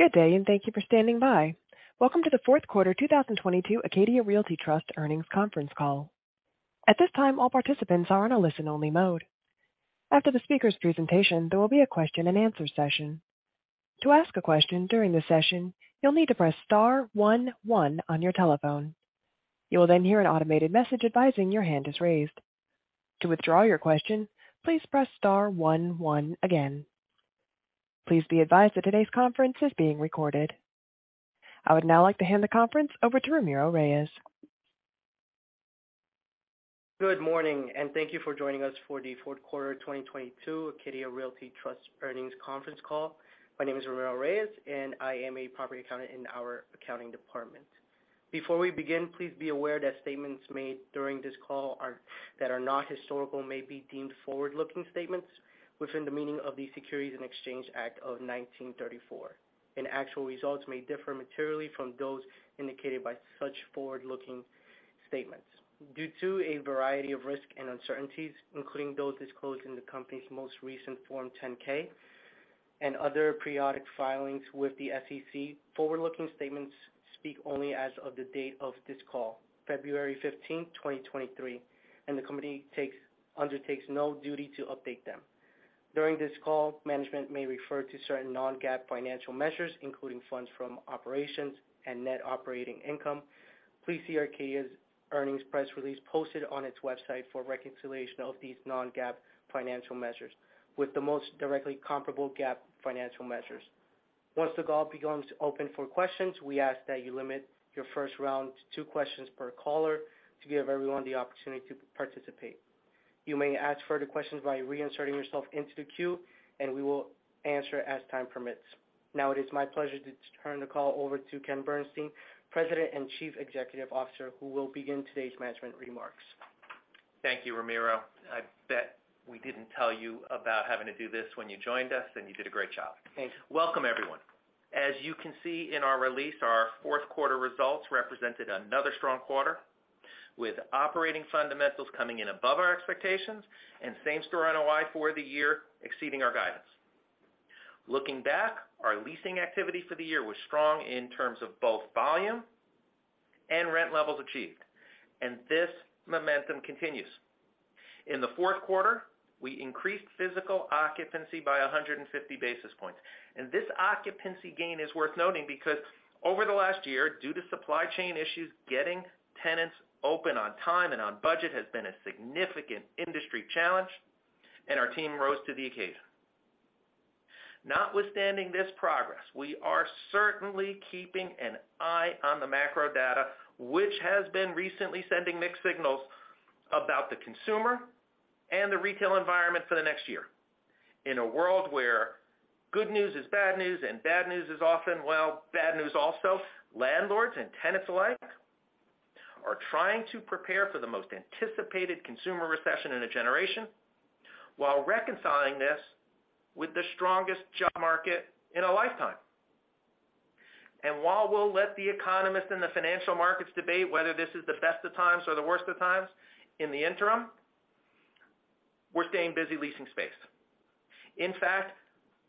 Good day. Thank you for standing by. Welcome to the fourth quarter 2022 Acadia Realty Trust earnings conference call. At this time, all participants are on a listen-only mode. After the speaker's presentation, there will be a question-and-answer session. To ask a question during the session, you'll need to press star 11 on your telephone. You will then hear an automated message advising your hand is raised. To withdraw your question, please press star 11 again. Please be advised that today's conference is being recorded. I would now like to hand the conference over to Ramiro Reyes. Good morning. Thank you for joining us for the fourth quarter 2022 Acadia Realty Trust earnings conference call. My name is Ramiro Reyes, I am a property accountant in our accounting department. Before we begin, please be aware that statements made during this call that are not historical may be deemed forward-looking statements within the meaning of the Securities Exchange Act of 1934, actual results may differ materially from those indicated by such forward-looking statements. Due to a variety of risks and uncertainties, including those disclosed in the company's most recent Form 10-K and other periodic filings with the SEC, forward-looking statements speak only as of the date of this call, February 15, 2023, the company undertakes no duty to update them. During this call, management may refer to certain non-GAAP financial measures, including funds from operations and net operating income. Please see Acadia's earnings press release posted on its website for a reconciliation of these non-GAAP financial measures with the most directly comparable GAAP financial measures. Once the call becomes open for questions, we ask that you limit your first round to two questions per caller to give everyone the opportunity to participate. You may ask further questions by reinserting yourself into the queue, and we will answer as time permits. Now it is my pleasure to turn the call over to Ken Bernstein, President and Chief Executive Officer, who will begin today's management remarks. Thank you, Ramiro. I bet we didn't tell you about having to do this when you joined us, and you did a great job. Thank you. Welcome, everyone. As you can see in our release, our fourth quarter results represented another strong quarter, with operating fundamentals coming in above our expectations and same store NOI for the year exceeding our guidance. Looking back, our leasing activity for the year was strong in terms of both volume and rent levels achieved, and this momentum continues. In the fourth quarter, we increased physical occupancy by 150 basis points. This occupancy gain is worth noting because over the last year, due to supply chain issues, getting tenants open on time and on budget has been a significant industry challenge, and our team rose to the occasion. Notwithstanding this progress, we are certainly keeping an eye on the macro data, which has been recently sending mixed signals about the consumer and the retail environment for the next year. In a world where good news is bad news and bad news is often, well, bad news also, landlords and tenants alike are trying to prepare for the most anticipated consumer recession in a generation while reconciling this with the strongest job market in a lifetime. While we'll let the economists in the financial markets debate whether this is the best of times or the worst of times, in the interim, we're staying busy leasing space. In fact,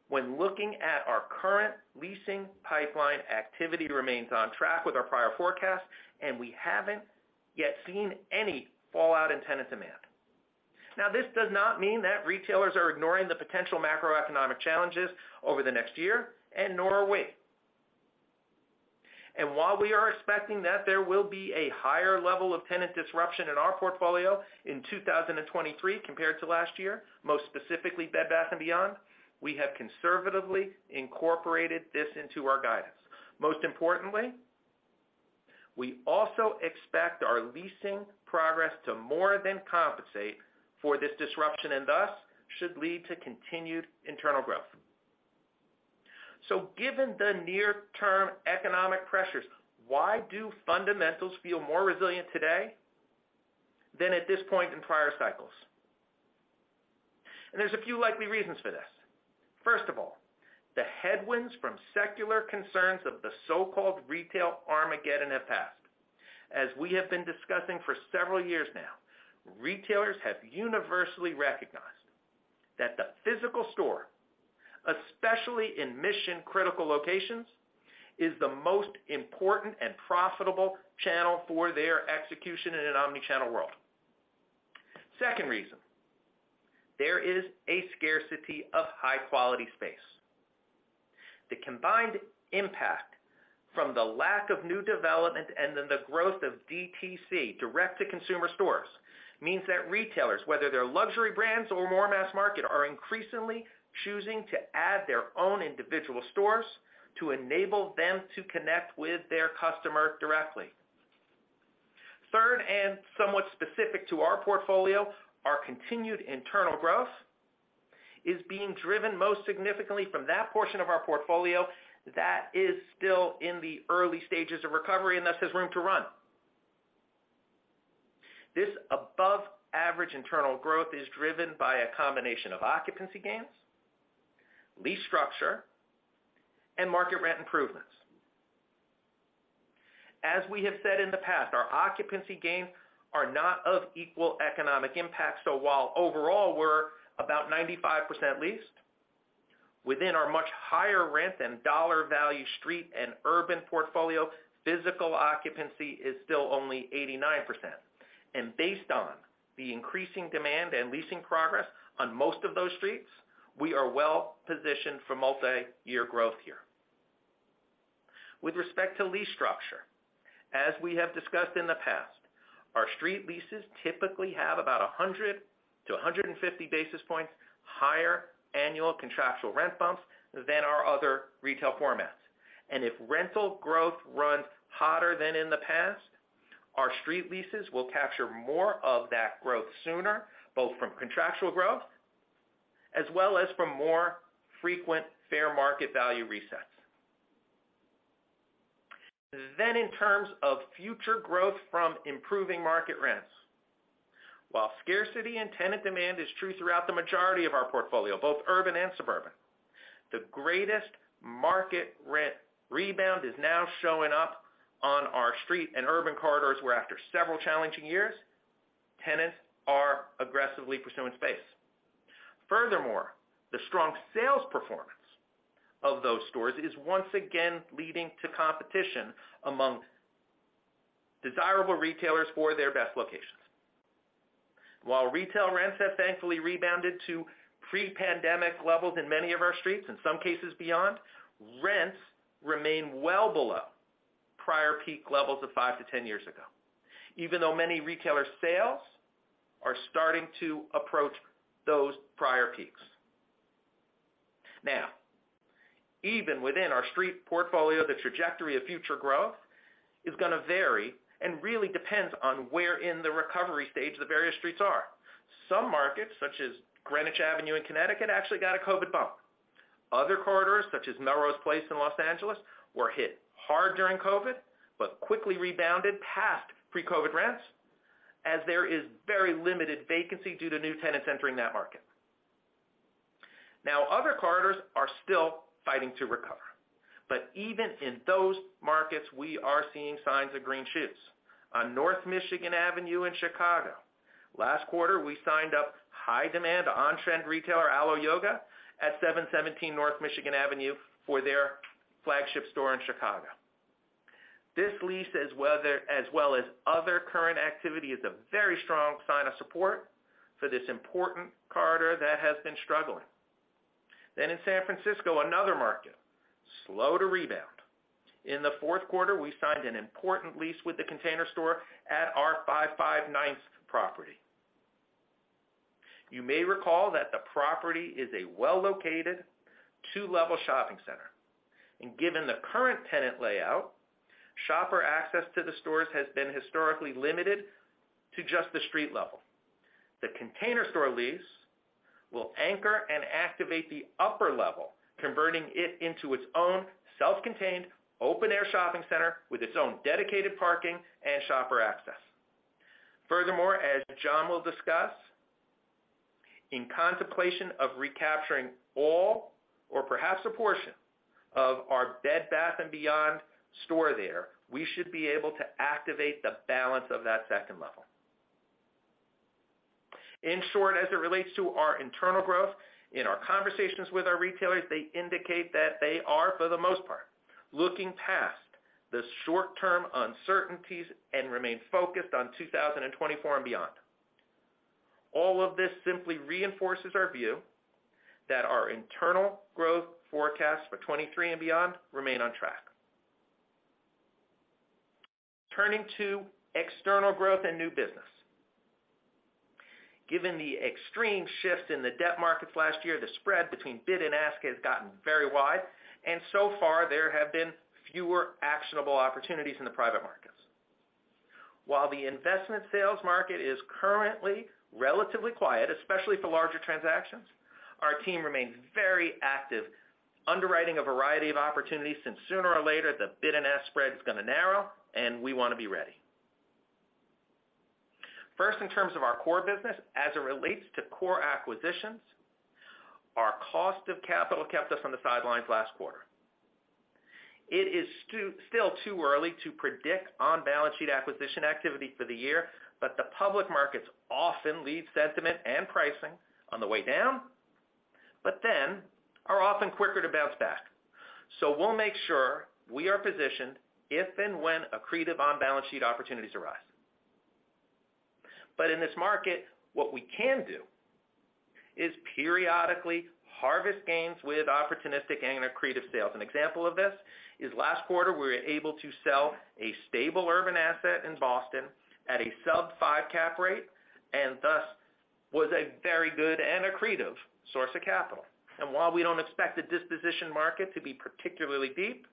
when looking at our current leasing pipeline activity remains on track with our prior forecast, and we haven't yet seen any fallout in tenant demand. This does not mean that retailers are ignoring the potential macroeconomic challenges over the next year and nor are we. While we are expecting that there will be a higher level of tenant disruption in our portfolio in 2023 compared to last year, most specifically Bed Bath & Beyond, we have conservatively incorporated this into our guidance. Most importantly, we also expect our leasing progress to more than compensate for this disruption and thus should lead to continued internal growth. Given the near-term economic pressures, why do fundamentals feel more resilient today than at this point in prior cycles? There's a few likely reasons for this. First of all, the headwinds from secular concerns of the so-called retail Armageddon have passed. As we have been discussing for several years now, retailers have universally recognized that the physical store, especially in mission-critical locations, is the most important and profitable channel for their execution in an omnichannel world. Second reason, there is a scarcity of high-quality space. The combined impact from the lack of new development and then the growth of DTC, direct-to-consumer stores, means that retailers, whether they're luxury brands or more mass market, are increasingly choosing to add their own individual stores to enable them to connect with their customer directly. Third, and somewhat specific to our portfolio, our continued internal growth is being driven most significantly from that portion of our portfolio that is still in the early stages of recovery and thus has room to run. This above average internal growth is driven by a combination of occupancy gains, lease structure, and market rent improvements. As we have said in the past, our occupancy gains are not of equal economic impact. While overall we're about 95% leased, within our much higher rent and dollar value street and urban portfolio, physical occupancy is still only 89%. Based on the increasing demand and leasing progress on most of those streets, we are well positioned for multiyear growth here. With respect to lease structure, as we have discussed in the past, our street leases typically have about 100-150 basis points higher annual contractual rent bumps than our other retail formats. If rental growth runs hotter than in the past, our street leases will capture more of that growth sooner, both from contractual growth as well as from more frequent fair market value resets. In terms of future growth from improving market rents. While scarcity and tenant demand is true throughout the majority of our portfolio, both urban and suburban, the greatest market rent rebound is now showing up on our street and urban corridors, where after several challenging years, tenants are aggressively pursuing space. The strong sales performance of those stores is once again leading to competition among desirable retailers for their best locations. While retail rents have thankfully rebounded to pre-pandemic levels in many of our streets, in some cases beyond, rents remain well below prior peak levels of 5-10 years ago, even though many retailer sales are starting to approach those prior peaks. Even within our street portfolio, the trajectory of future growth is gonna vary and really depends on where in the recovery stage the various streets are. Some markets, such as Greenwich Avenue in Connecticut, actually got a COVID bump. Other corridors, such as Melrose Place in Los Angeles, were hit hard during COVID, but quickly rebounded past pre-COVID rents as there is very limited vacancy due to new tenants entering that market. Now, other corridors are still fighting to recover, but even in those markets, we are seeing signs of green shoots. On North Michigan Avenue in Chicago, last quarter, we signed up high demand on-trend retailer Alo Yoga at 717 North Michigan Avenue for their flagship store in Chicago. This lease, as well as other current activity, is a very strong sign of support for this important corridor that has been struggling. In San Francisco, another market slow to rebound, in the fourth quarter, we signed an important lease with The Container Store at our 559 Ninth property. You may recall that the property is a well-located two-level shopping center, and given the current tenant layout, shopper access to the stores has been historically limited to just the street level. The Container Store lease will anchor and activate the upper level, converting it into its own self-contained open-air shopping center with its own dedicated parking and shopper access. As John will discuss, in contemplation of recapturing all or perhaps a portion of our Bed Bath & Beyond store there, we should be able to activate the balance of that second level. In short, as it relates to our internal growth, in our conversations with our retailers, they indicate that they are, for the most part, looking past the short-term uncertainties and remain focused on 2024 and beyond. All of this simply reinforces our view that our internal growth forecasts for 2023 and beyond remain on track. Turning to external growth and new business. Given the extreme shifts in the debt markets last year, the spread between bid and ask has gotten very wide, and so far there have been fewer actionable opportunities in the private markets. While the investment sales market is currently relatively quiet, especially for larger transactions, our team remains very active, underwriting a variety of opportunities, since sooner or later the bid and ask spread is gonna narrow and we wanna be ready. First, in terms of our core business. As it relates to core acquisitions, our cost of capital kept us on the sidelines last quarter. It is still too early to predict on-balance sheet acquisition activity for the year, but the public markets often lead sentiment and pricing on the way down, but then are often quicker to bounce back. We'll make sure we are positioned if and when accretive on-balance sheet opportunities arise. In this market, what we can do is periodically harvest gains with opportunistic and accretive sales. An example of this is last quarter, we were able to sell a stable urban asset in Boston at a sub 5 cap rate, and thus was a very good and accretive source of capital. While we don't expect the disposition market to be particularly deep,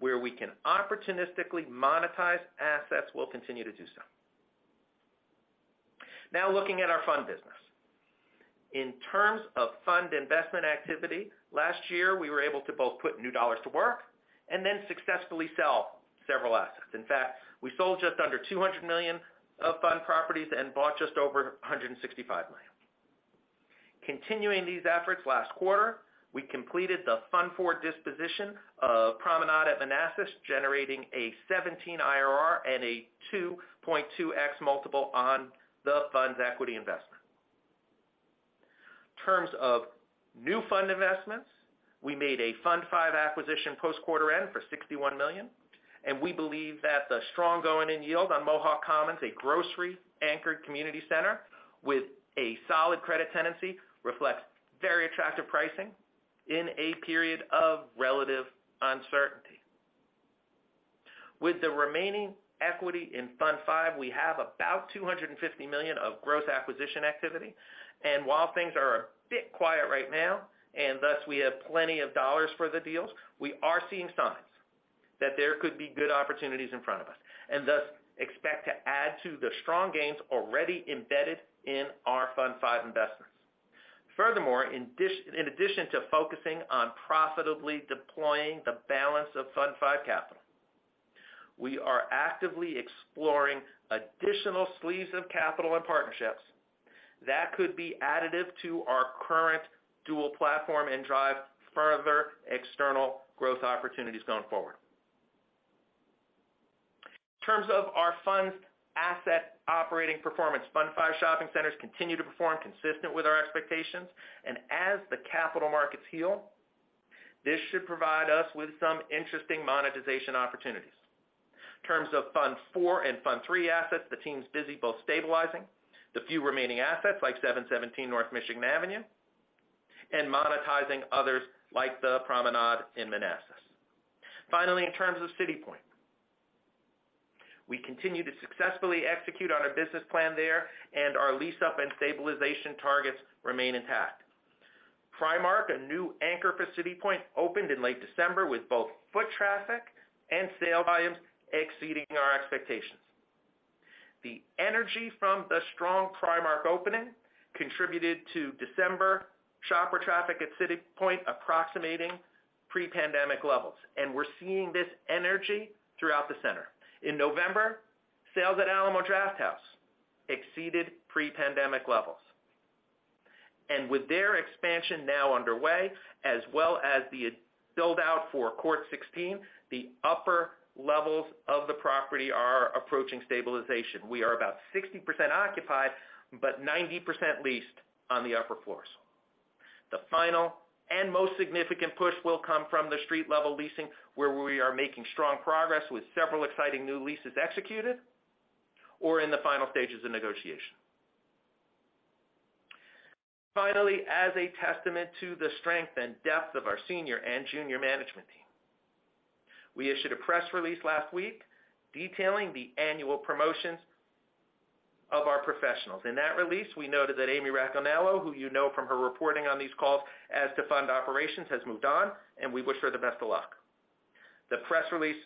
where we can opportunistically monetize assets, we'll continue to do so. Now looking at our fund business. In terms of fund investment activity, last year we were able to both put new dollars to work and then successfully sell several assets. In fact, we sold just under $200 million of fund properties and bought just over $165 million. Continuing these efforts last quarter, we completed the fund for disposition of Promenade at Manassas, generating a 17 IRR and a 2.2x multiple on the fund's equity investment. In terms of new fund investments, we made a Fund V acquisition post-quarter end for $61 million, and we believe that the strong going-in yield on Mohawk Commons, a grocery-anchored community center with a solid credit tenancy, reflects very attractive pricing in a period of relative uncertainty. With the remaining equity in Fund V, we have about $250 million of gross acquisition activity. While things are a bit quiet right now, and thus we have plenty of dollars for the deals, we are seeing signs that there could be good opportunities in front of us. Thus expect to add to the strong gains already embedded in our Fund V investments. Furthermore, in addition to focusing on profitably deploying the balance of Fund V capital, we are actively exploring additional sleeves of capital and partnerships that could be additive to our current dual platform and drive further external growth opportunities going forward. In terms of our funds asset operating performance, Fund V shopping centers continue to perform consistent with our expectations. As the capital markets heal, this should provide us with some interesting monetization opportunities. In terms of funds 4 and fund 3 assets, the team's busy both stabilizing the few remaining assets like 717 North Michigan Avenue, and monetizing others like the Promenade in Manassas. Finally, in terms of City Point. We continue to successfully execute on our business plan there, and our lease-up and stabilization targets remain intact. Primark, a new anchor for City Point, opened in late December with both foot traffic and sales volumes exceeding our expectations. The energy from the strong Primark opening contributed to December shopper traffic at City Point approximating pre-pandemic levels, and we're seeing this energy throughout the center. In November, sales at Alamo Drafthouse exceeded pre-pandemic levels. With their expansion now underway, as well as the build-out for Court 16, the upper levels of the property are approaching stabilization. We are about 60% occupied, but 90% leased on the upper floors. The final and most significant push will come from the street-level leasing, where we are making strong progress with several exciting new leases executed, or in the final stages of negotiation. As a testament to the strength and depth of our senior and junior management team, we issued a press release last week detailing the annual promotions of our professionals. In that release, we noted that Amy Racanello, who you know from her reporting on these calls as to fund operations, has moved on, and we wish her the best of luck. The press release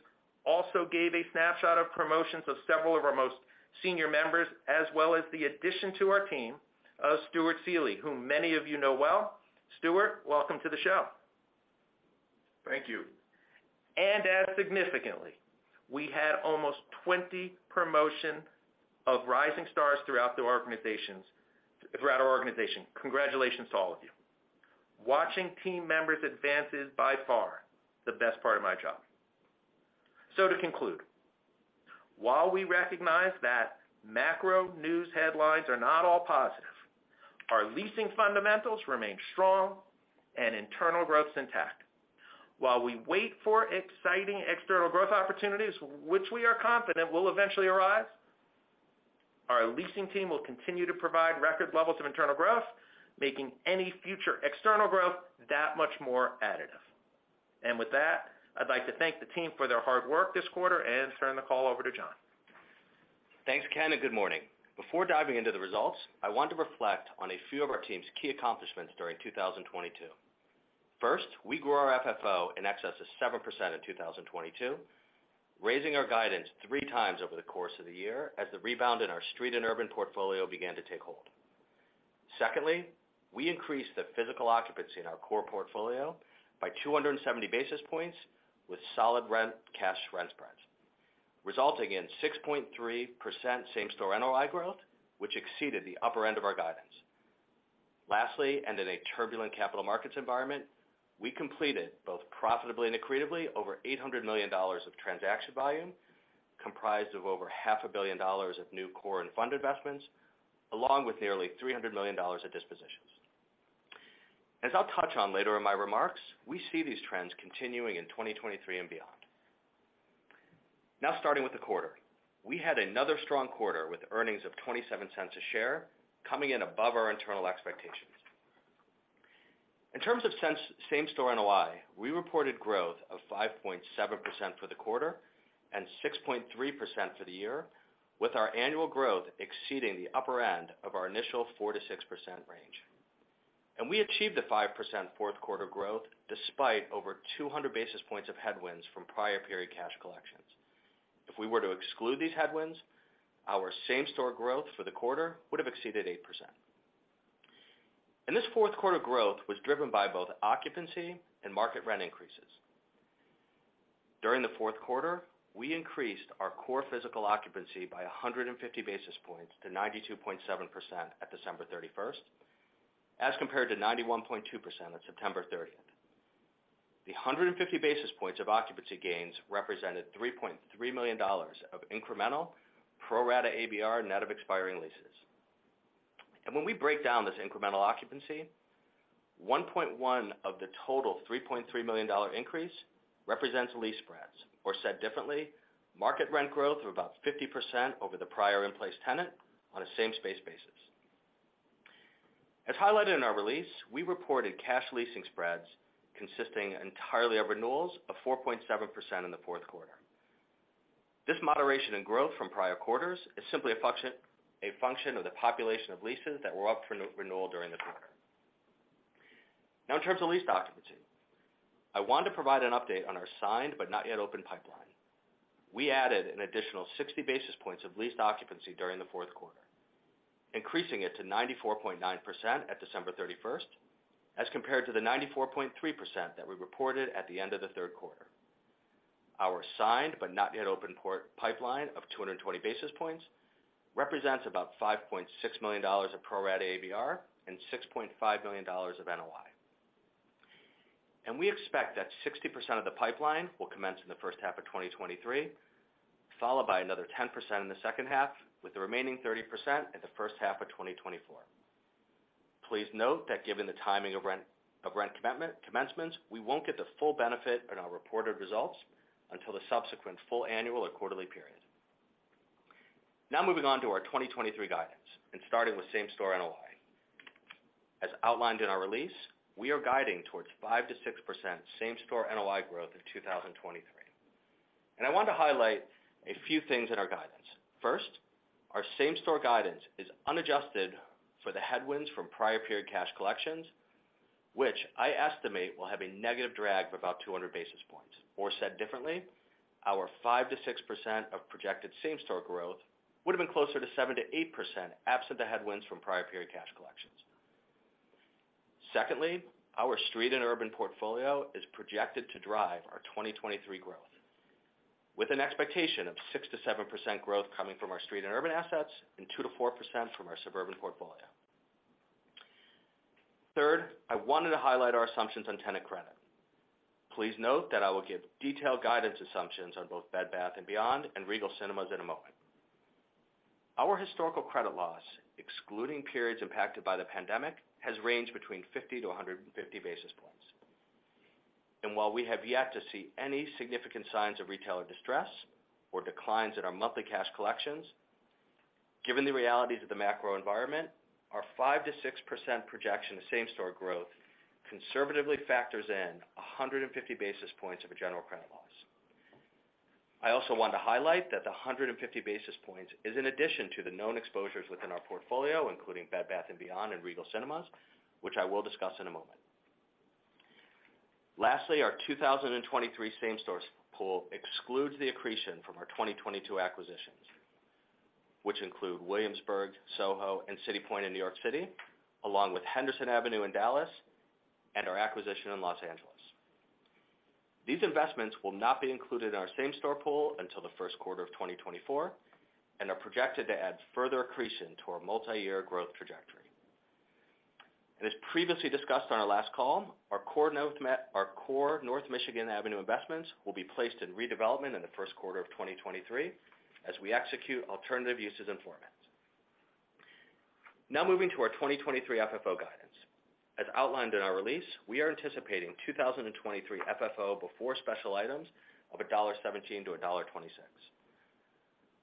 also gave a snapshot of promotions of several of our most senior members, as well as the addition to our team of Stuart Seeley, whom many of you know well. Stuart, welcome to the show. Thank you. As significantly, we had almost 20 promotion of rising stars throughout our organization. Congratulations to all of you. Watching team members advances by far the best part of my job. To conclude, while we recognize that macro news headlines are not all positive, our leasing fundamentals remain strong and internal growth's intact. While we wait for exciting external growth opportunities, which we are confident will eventually arise, our leasing team will continue to provide record levels of internal growth, making any future external growth that much more additive. With that, I'd like to thank the team for their hard work this quarter and turn the call over to John. Thanks, Ken. Good morning. Before diving into the results, I want to reflect on a few of our team's key accomplishments during 2022. First, we grew our FFO in excess of 7% in 2022, raising our guidance 3 times over the course of the year as the rebound in our street and urban portfolio began to take hold. Secondly, we increased the physical occupancy in our core portfolio by 270 basis points with solid cash rent spreads, resulting in 6.3% same-store NOI growth, which exceeded the upper end of our guidance. Lastly, in a turbulent capital markets environment, we completed, both profitably and accretively, over $800 million of transaction volume, comprised of over half a billion dollars of new core and fund investments, along with nearly $300 million of dispositions. As I'll touch on later in my remarks, we see these trends continuing in 2023 and beyond. Starting with the quarter. We had another strong quarter with earnings of $0.27 a share, coming in above our internal expectations. In terms of same-store NOI, we reported growth of 5.7% for the quarter and 6.3% for the year, with our annual growth exceeding the upper end of our initial 4%-6% range. We achieved the 5% fourth quarter growth despite over 200 basis points of headwinds from prior period cash collections. If we were to exclude these headwinds, our same-store growth for the quarter would have exceeded 8%. This fourth quarter growth was driven by both occupancy and market rent increases. During the fourth quarter, we increased our core physical occupancy by 150 basis points to 92.7% at December 31st, as compared to 91.2% at September 30th. The 150 basis points of occupancy gains represented $3.3 million of incremental pro rata ABR net of expiring leases. When we break down this incremental occupancy, $1.1 million of the total $3.3 million increase represents lease spreads, or said differently, market rent growth of about 50% over the prior in-place tenant on a same space basis. As highlighted in our release, we reported cash leasing spreads consisting entirely of renewals of 4.7% in the fourth quarter. This moderation in growth from prior quarters is simply a function of the population of leases that were up for re-renewal during the quarter. In terms of lease occupancy, I want to provide an update on our signed but not yet open pipeline. We added an additional 60 basis points of leased occupancy during the 4th quarter, increasing it to 94.9% at December 31st, as compared to the 94.3% that we reported at the end of the 3rd quarter. Our signed but not yet open pipeline of 220 basis points represents about $5.6 million of pro-rata ABR and $6.5 million of NOI. We expect that 60% of the pipeline will commence in the first half of 2023, followed by another 10% in the second half, with the remaining 30% in the first half of 2024. Please note that given the timing of rent commencements, we won't get the full benefit in our reported results until the subsequent full annual or quarterly period. Moving on to our 2023 guidance and starting with same store NOI. As outlined in our release, we are guiding towards 5%-6% same store NOI growth in 2023. I want to highlight a few things in our guidance. First, our same store guidance is unadjusted for the headwinds from prior period cash collections, which I estimate will have a negative drag of about 200 basis points. Said differently, our 5%-6% of projected same store growth would have been closer to 7%-8% absent the headwinds from prior period cash collections. Secondly, our street and urban portfolio is projected to drive our 2023 growth with an expectation of 6%-7% growth coming from our street and urban assets and 2%-4% from our suburban portfolio. Third, I wanted to highlight our assumptions on tenant credit. Please note that I will give detailed guidance assumptions on both Bed Bath & Beyond and Regal Cinemas in a moment. Our historical credit loss, excluding periods impacted by the pandemic, has ranged between 50-150 basis points. While we have yet to see any significant signs of retailer distress or declines in our monthly cash collections, given the realities of the macro environment, our 5%-6% projection of same store growth conservatively factors in 150 basis points of a general credit loss. I also want to highlight that the 150 basis points is in addition to the known exposures within our portfolio, including Bed Bath & Beyond and Regal Cinemas, which I will discuss in a moment. Lastly, our 2023 same stores pool excludes the accretion from our 2022 acquisitions, which include Williamsburg, Soho, and City Point in New York City, along with Henderson Avenue in Dallas and our acquisition in Los Angeles. These investments will not be included in our same store pool until the first quarter of 2024 and are projected to add further accretion to our multi-year growth trajectory. As previously discussed on our last call, our core North Michigan Avenue investments will be placed in redevelopment in the first quarter of 2023 as we execute alternative uses and formats. Now moving to our 2023 FFO guidance. As outlined in our release, we are anticipating 2023 FFO before special items of $1.17 to $1.26.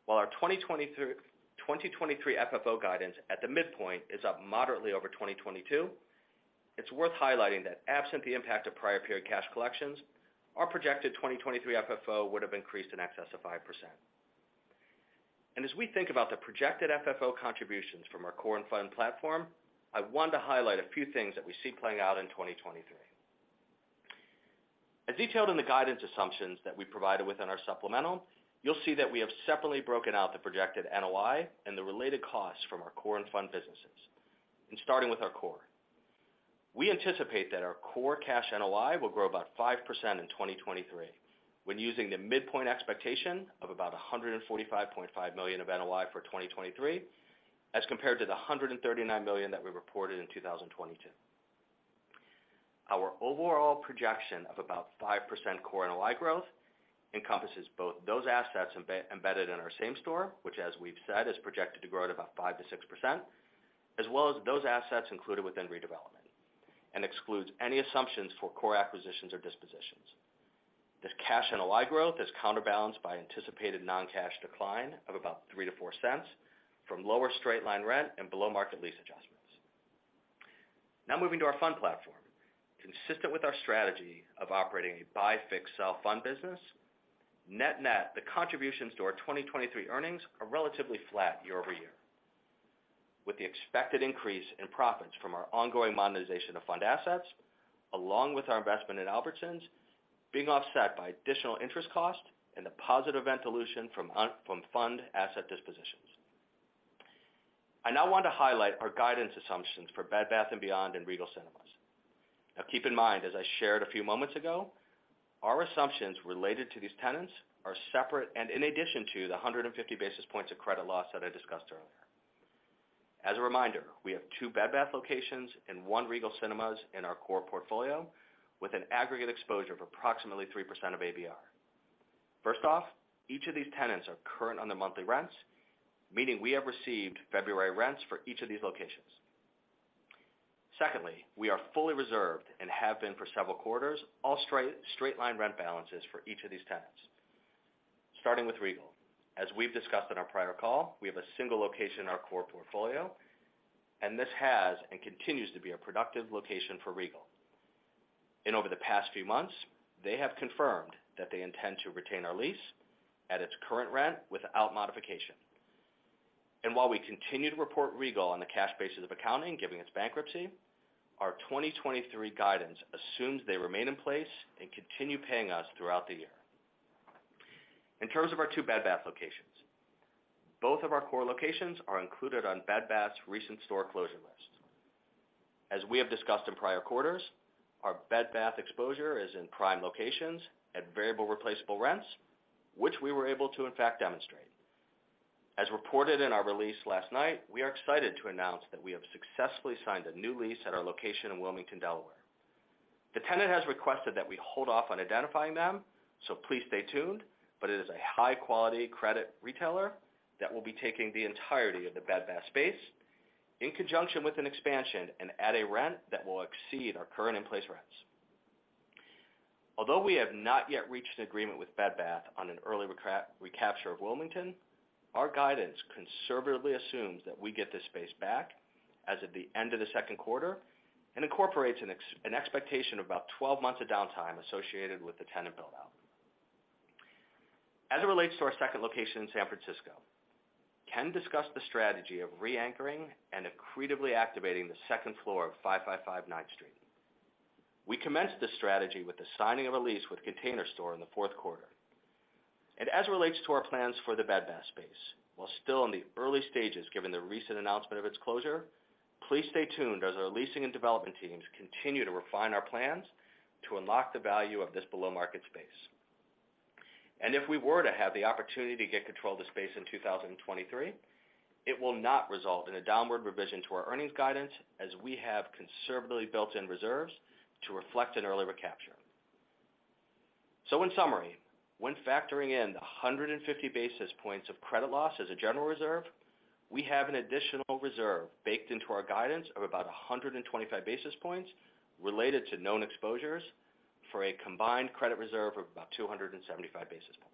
While our 2023 FFO guidance at the midpoint is up moderately over 2022, it's worth highlighting that absent the impact of prior period cash collections, our projected 2023 FFO would have increased in excess of 5%. As we think about the projected FFO contributions from our core and fund platform, I want to highlight a few things that we see playing out in 2023. As detailed in the guidance assumptions that we provided within our supplemental, you'll see that we have separately broken out the projected NOI and the related costs from our core and fund businesses. Starting with our core. We anticipate that our core cash NOI will grow about 5% in 2023 when using the midpoint expectation of about $145.5 million of NOI for 2023, as compared to the $139 million that we reported in 2022. Our overall projection of about 5% core NOI growth encompasses both those assets embedded in our same store, which as we've said, is projected to grow at about 5%-6%, as well as those assets included within redevelopment and excludes any assumptions for core acquisitions or dispositions. This cash NOI growth is counterbalanced by anticipated non-cash decline of about $0.03-$0.04 from lower straight line rent and below market lease adjustments. Now moving to our fund platform. Consistent with our strategy of operating a buy, fix, sell fund business, net-net, the contributions to our 2023 earnings are relatively flat year-over-year, with the expected increase in profits from our ongoing monetization of fund assets, along with our investment in Albertsons being offset by additional interest costs and the positive ventilation from fund asset dispositions. I now want to highlight our guidance assumptions for Bed Bath & Beyond and Regal Cinemas. Keep in mind, as I shared a few moments ago, our assumptions related to these tenants are separate and in addition to the 150 basis points of credit loss that I discussed earlier. As a reminder, we have two Bed Bath locations and one Regal Cinemas in our core portfolio, with an aggregate exposure of approximately 3% of ABR. First off, each of these tenants are current on their monthly rents, meaning we have received February rents for each of these locations. Secondly, we are fully reserved and have been for several quarters, all straight line rent balances for each of these tenants. Starting with Regal. We've discussed on our prior call, we have a single location in our core portfolio, and this has and continues to be a productive location for Regal. Over the past few months, they have confirmed that they intend to retain our lease at its current rent without modification. While we continue to report Regal on the cash basis of accounting, giving its bankruptcy, our 2023 guidance assumes they remain in place and continue paying us throughout the year. In terms of our two Bed Bath locations, both of our core locations are included on Bed Bath's recent store closure list. As we have discussed in prior quarters, our Bed Bath exposure is in prime locations at variable replaceable rents, which we were able to in fact demonstrate. As reported in our release last night, we are excited to announce that we have successfully signed a new lease at our location in Wilmington, Delaware. The tenant has requested that we hold off on identifying them, so please stay tuned, but it is a high-quality credit retailer that will be taking the entirety of the Bed Bath space in conjunction with an expansion and at a rent that will exceed our current in-place rents. Although we have not yet reached an agreement with Bed Bath on an early recapture of Wilmington, our guidance conservatively assumes that we get this space back as of the end of the second quarter and incorporates an expectation of about 12 months of downtime associated with the tenant build-out. As it relates to our second location in San Francisco, Ken discussed the strategy of reanchoring and accretively activating the second floor of 555 Ninth Street. We commenced this strategy with the signing of a lease with Container Store in the fourth quarter. As it relates to our plans for the Bed Bath space, while still in the early stages, given the recent announcement of its closure, please stay tuned as our leasing and development teams continue to refine our plans to unlock the value of this below-market space. If we were to have the opportunity to get control of the space in 2023, it will not result in a downward revision to our earnings guidance as we have conservatively built in reserves to reflect an early recapture. In summary, when factoring in the 150 basis points of credit loss as a general reserve, we have an additional reserve baked into our guidance of about 125 basis points related to known exposures for a combined credit reserve of about 275 basis points.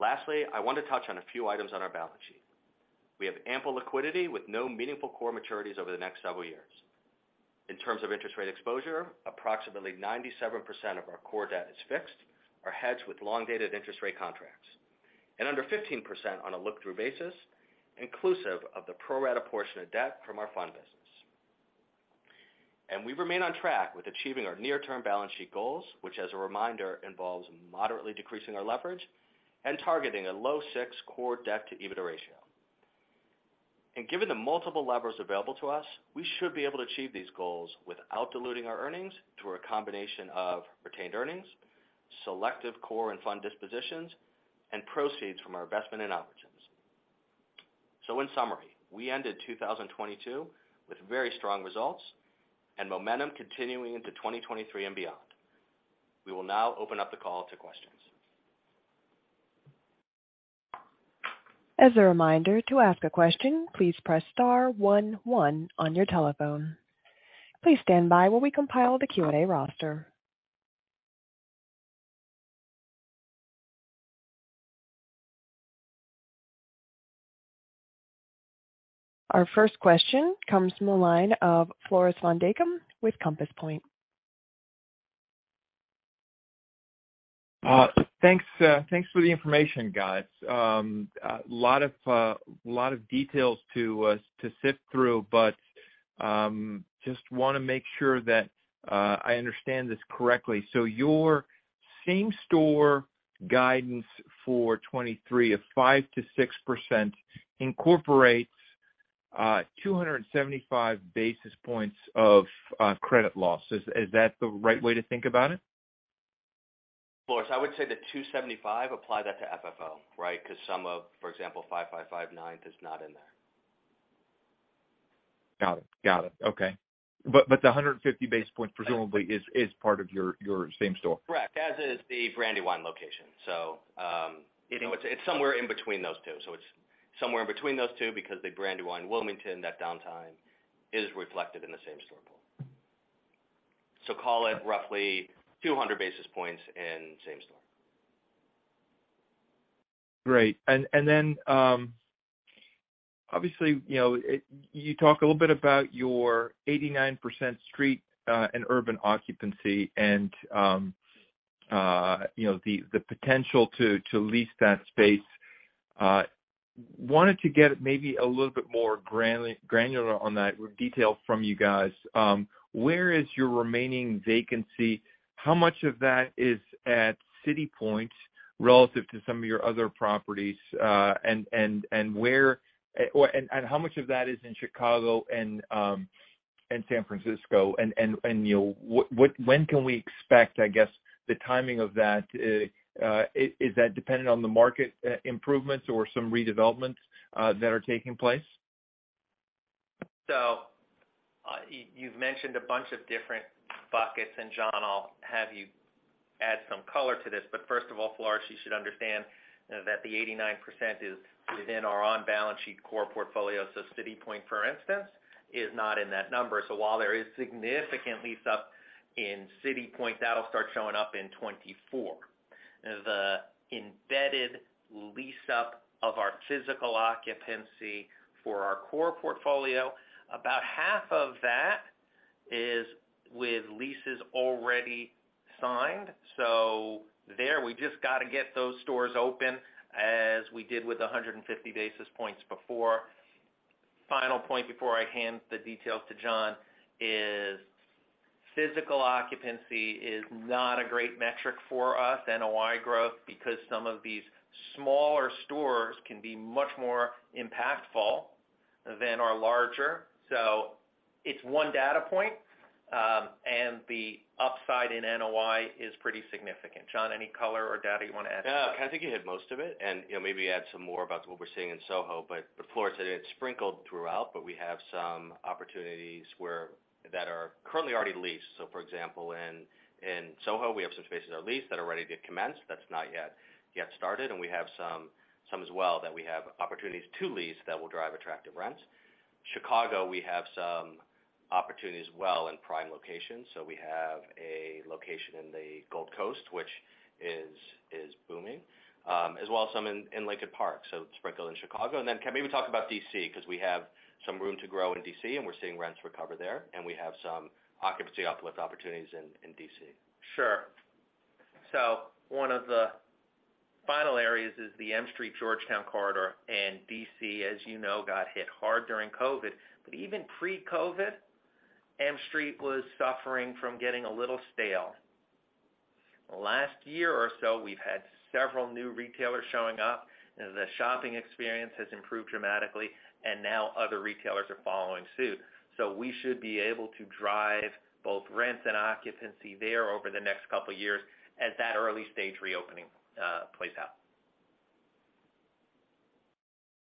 Lastly, I want to touch on a few items on our balance sheet. We have ample liquidity with no meaningful core maturities over the next several years. In terms of interest rate exposure, approximately 97% of our core debt is fixed or hedged with long-dated interest rate contracts, and under 15% on a look-through basis, inclusive of the pro rata portion of debt from our fund business. We remain on track with achieving our near-term balance sheet goals, which as a reminder, involves moderately decreasing our leverage and targeting a low 6 core Debt-to-EBITDA ratio. Given the multiple levers available to us, we should be able to achieve these goals without diluting our earnings through a combination of retained earnings, selective core and fund dispositions, and proceeds from our investment in origins. In summary, we ended 2022 with very strong results and momentum continuing into 2023 and beyond. We will now open up the call to questions. As a reminder, to ask a question, please press star one one on your telephone. Please stand by while we compile the Q&A roster. Our first question comes from the line of Floris van Dijkum with Compass Point. Thanks, thanks for the information, guys. A lot of details to sift through, but I just wanna make sure that I understand this correctly. Your same-store guidance for 2023 of 5%-6% incorporates 275 basis points of credit loss. Is that the right way to think about it? Floris, I would say the 275, apply that to FFO, right? Because some of, for example, 555 Ninth is not in there. Got it. Okay. The 150 basis points presumably is part of your same store. Correct. As is the Brandywine location. you know, it's somewhere in between those two. it's somewhere in between those two because the Brandywine Wilmington, that downtime is reflected in the same store pool. call it roughly 200 basis points in same store. Great. Obviously, you know, you talk a little bit about your 89% street and urban occupancy and, you know, the potential to lease that space. Wanted to get maybe a little bit more granular on that detail from you guys. Where is your remaining vacancy? How much of that is at City Point? Relative to some of your other properties, and how much of that is in Chicago and San Francisco and, you know, when can we expect, I guess, the timing of that? Is that dependent on the market improvements or some redevelopments that are taking place? You've mentioned a bunch of different buckets, and John, I'll have you add some color to this. First of all, Floris, you should understand that the 89% is within our on-balance sheet core portfolio. City Point, for instance, is not in that number. While there is significant lease up in City Point, that'll start showing up in 2024. The embedded lease up of our physical occupancy for our core portfolio, about half of that is with leases already signed. There we just got to get those stores open as we did with the 150 basis points before. Final point before I hand the details to John is physical occupancy is not a great metric for us, NOI growth, because some of these smaller stores can be much more impactful than our larger. It's one data point, and the upside in NOI is pretty significant. John, any color or data you want to add? Yeah, I think you hit most of it and, you know, maybe add some more about what we're seeing in Soho. Floris said it's sprinkled throughout, but we have some opportunities where that are currently already leased. For example, in Soho, we have some spaces that are leased that are ready to commence. That's not yet started. We have some as well that we have opportunities to lease that will drive attractive rents. Chicago, we have some opportunity as well in prime locations. We have a location in the Gold Coast, which is booming, as well as some in Lincoln Park. Sprinkled in Chicago. Ken maybe talk about D.C. because we have some room to grow in D.C. and we're seeing rents recover there. We have some occupancy uplift opportunities in D.C. Sure. One of the final areas is the M Street Georgetown corridor. D.C., as you know, got hit hard during COVID. Even pre-COVID, M Street was suffering from getting a little stale. Last year or so, we've had several new retailers showing up. The shopping experience has improved dramatically, and now other retailers are following suit. We should be able to drive both rents and occupancy there over the next 2 years as that early-stage reopening plays out.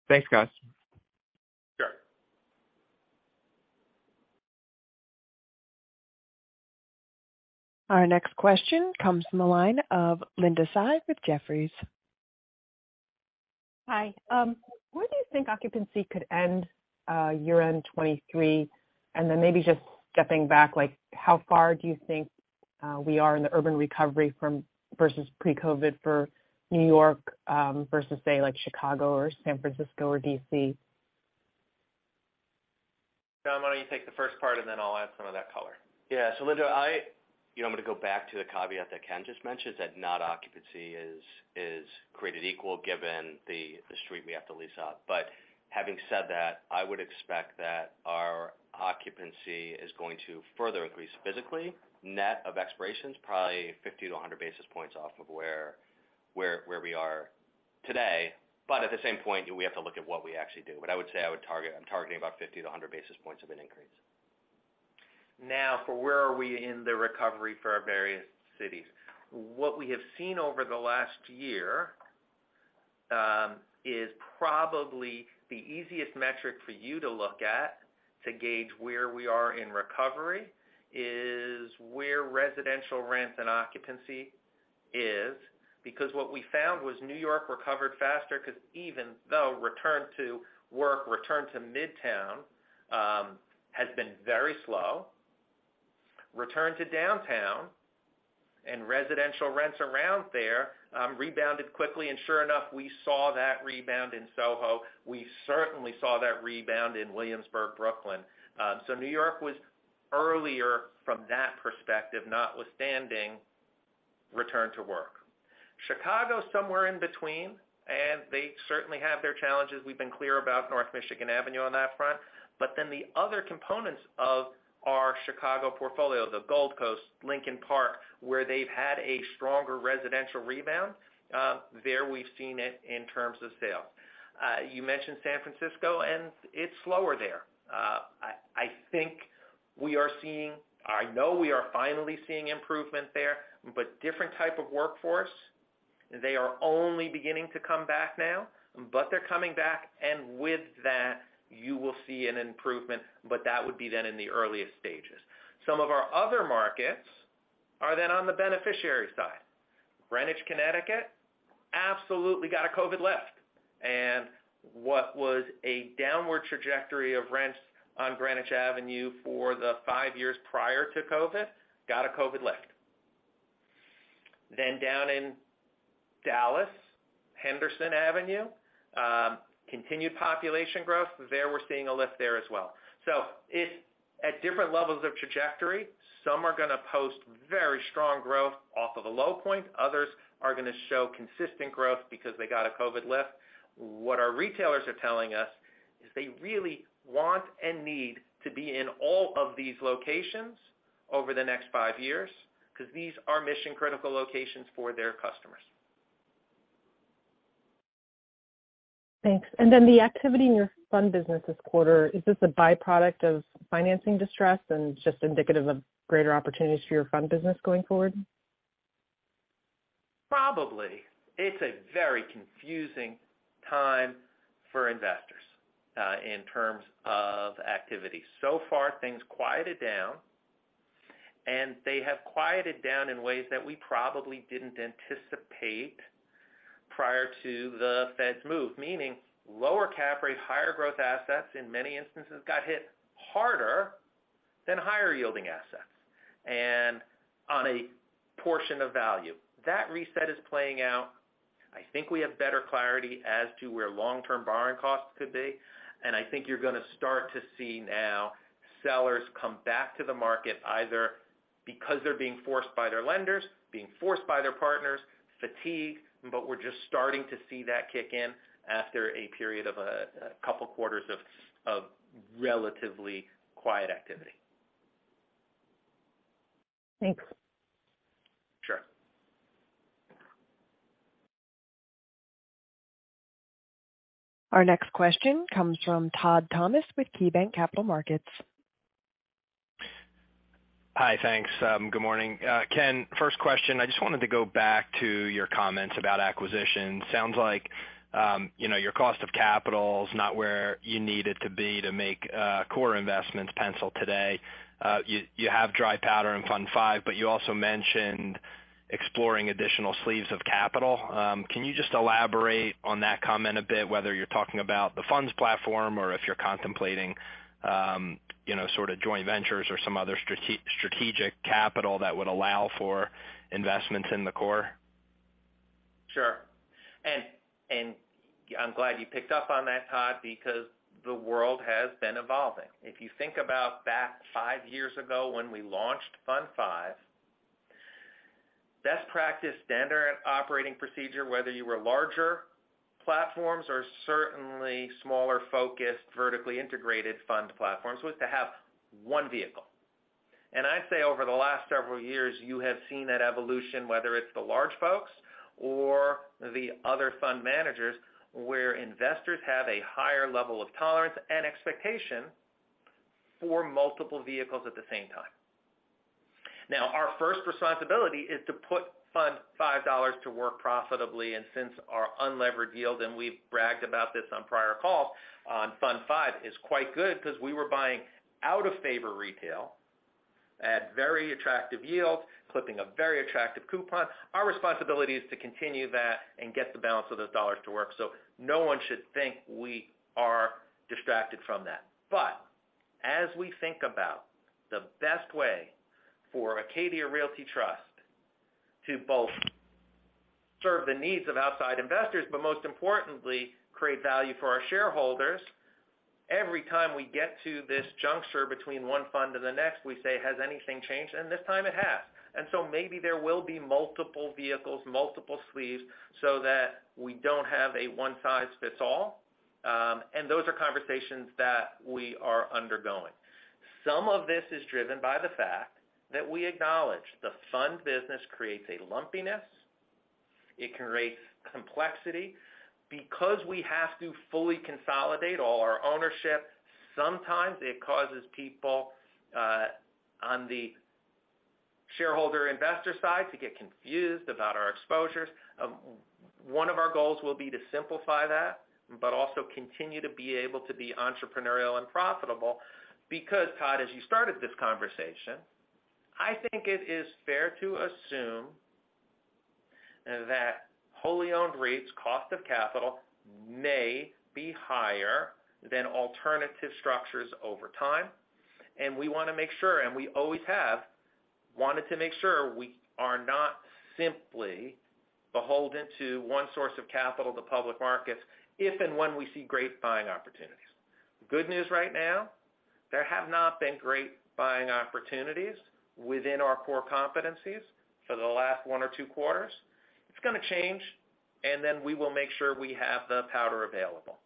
Thanks, guys. Sure. Our next question comes from the line of Linda Tsai with Jefferies. Hi. Where do you think occupancy could end, year-end 2023? Maybe just stepping back, like how far do you think we are in the urban recovery from versus pre-COVID for New York, versus say like Chicago or San Francisco or D.C.? John, why don't you take the first part and then I'll add some of that color. Linda, you know, I'm going to go back to the caveat that Ken just mentioned, that not occupancy is created equal given the street we have to lease up. Having said that, I would expect that our occupancy is going to further increase physically. Net of expirations, probably 50-100 basis points off of where we are today. At the same point, we have to look at what we actually do. I would say I'm targeting about 50-100 basis points of an increase. For where are we in the recovery for our various cities. What we have seen over the last year is probably the easiest metric for you to look at to gauge where we are in recovery is where residential rents and occupancy is. What we found was New York recovered faster because even though return to work, return to Midtown has been very slow, return to downtown and residential rents around there rebounded quickly, and sure enough, we saw that rebound in Soho. We certainly saw that rebound in Williamsburg, Brooklyn. New York was earlier from that perspective, notwithstanding return to work. Chicago is somewhere in between, and they certainly have their challenges. We've been clear about North Michigan Avenue on that front. The other components of our Chicago portfolio, the Gold Coast, Lincoln Park, where they've had a stronger residential rebound, there we've seen it in terms of sales. You mentioned San Francisco, and it's slower there. I think we are seeing I know we are finally seeing improvement there, but different type of workforce. They are only beginning to come back now, but they're coming back, and with that, you will see an improvement, but that would be in the earliest stages. Some of our other markets are on the beneficiary side. Greenwich, Connecticut, absolutely got a COVID lift. What was a downward trajectory of rents on Greenwich Avenue for the five years prior to COVID, got a COVID lift. Down in Dallas, Henderson Avenue, continued population growth. There we're seeing a lift there as well. It's at different levels of trajectory. Some are going to post very strong growth off of a low point. Others are going to show consistent growth because they got a COVID lift. What our retailers are telling us is they really want and need to be in all of these locations over the next 5 years because these are mission-critical locations for their customers. Thanks. Then the activity in your fund business this quarter, is this a byproduct of financing distress, and it's just indicative of greater opportunities for your fund business going forward? Probably. It's a very confusing time for investors, in terms of activity. Things quieted down, and they have quieted down in ways that we probably didn't anticipate prior to the Fed's move, meaning lower cap rate, higher growth assets in many instances got hit harder than higher-yielding assets and on a portion of value. That reset is playing out. I think we have better clarity as to where long-term borrowing costs could be. I think you're gonna start to see now sellers come back to the market either because they're being forced by their lenders, being forced by their partners, fatigue. We're just starting to see that kick in after a period of a couple of quarters of relatively quiet activity. Thanks. Sure. Our next question comes from Todd Thomas with KeyBanc Capital Markets. Hi. Thanks. Good morning. Ken, first question, I just wanted to go back to your comments about acquisitions. Sounds like, you know, your cost of capital is not where you need it to be to make core investments pencil today. You, you have dry powder in Fund V, but you also mentioned exploring additional sleeves of capital. Can you just elaborate on that comment a bit, whether you're talking about the funds platform or if you're contemplating, you know, sort of joint ventures or some other strategic capital that would allow for investments in the core? Sure. I'm glad you picked up on that, Todd, because the world has been evolving. If you think about back five years ago when we launched Fund V, best practice standard operating procedure, whether you were larger platforms or certainly smaller-focused, vertically integrated fund platforms, was to have one vehicle. I'd say over the last several years, you have seen that evolution, whether it's the large folks or the other fund managers, where investors have a higher level of tolerance and expectation for multiple vehicles at the same time. Now, our first responsibility is to put Fund V dollars to work profitably. Since our unlevered yield, and we've bragged about this on prior calls on Fund V, is quite good because we were buying out-of-favor retail at very attractive yields, clipping a very attractive coupon. Our responsibility is to continue that and get the balance of those dollars to work. No one should think we are distracted from that. As we think about the best way for Acadia Realty Trust to both serve the needs of outside investors, but most importantly, create value for our shareholders, every time we get to this juncture between one fund and the next, we say, "Has anything changed?" This time it has. Maybe there will be multiple vehicles, multiple sleeves so that we don't have a one size fits all. Those are conversations that we are undergoing. Some of this is driven by the fact that we acknowledge the fund business creates a lumpiness. It creates complexity. Because we have to fully consolidate all our ownership, sometimes it causes people on the shareholder investor side to get confused about our exposures. One of our goals will be to simplify that, but also continue to be able to be entrepreneurial and profitable. Because, Todd, as you started this conversation, I think it is fair to assume that wholly-owned REITs cost of capital may be higher than alternative structures over time. We wanna make sure, and we always have wanted to make sure, we are not simply beholden to one source of capital, the public markets, if and when we see great buying opportunities. Good news right now, there have not been great buying opportunities within our core competencies for the last one or two quarters. It's gonna change, and then we will make sure we have the powder available.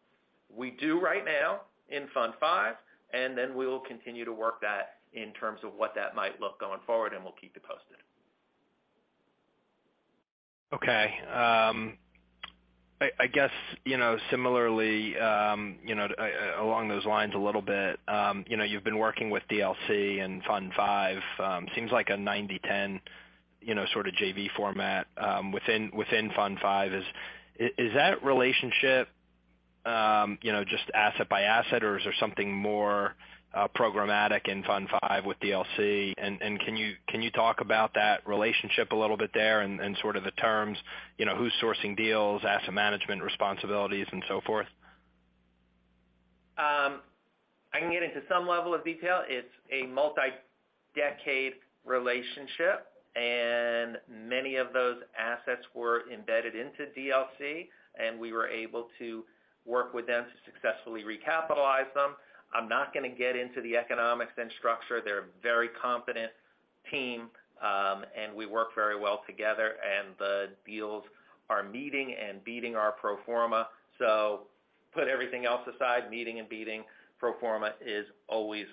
We do right now in Fund V, and then we will continue to work that in terms of what that might look going forward, and we'll keep you posted. Okay. I guess, you know, similarly, you know, along those lines a little bit, you know, you've been working with DLC and Fund V, seems like a 90/10, you know, sort of JV format, within Fund V. Is that relationship, you know, just asset by asset, or is there something more programmatic in Fund V with DLC? Can you talk about that relationship a little bit there and, sort of the terms, you know, who's sourcing deals, asset management responsibilities and so forth? I can get into some level of detail. It's a multi-decade relationship, and many of those assets were embedded into DLC, and we were able to work with them to successfully recapitalize them. I'm not gonna get into the economics and structure. They're very confident. Team, we work very well together, and the deals are meeting and beating our pro forma. Put everything else aside, meeting and beating pro forma is always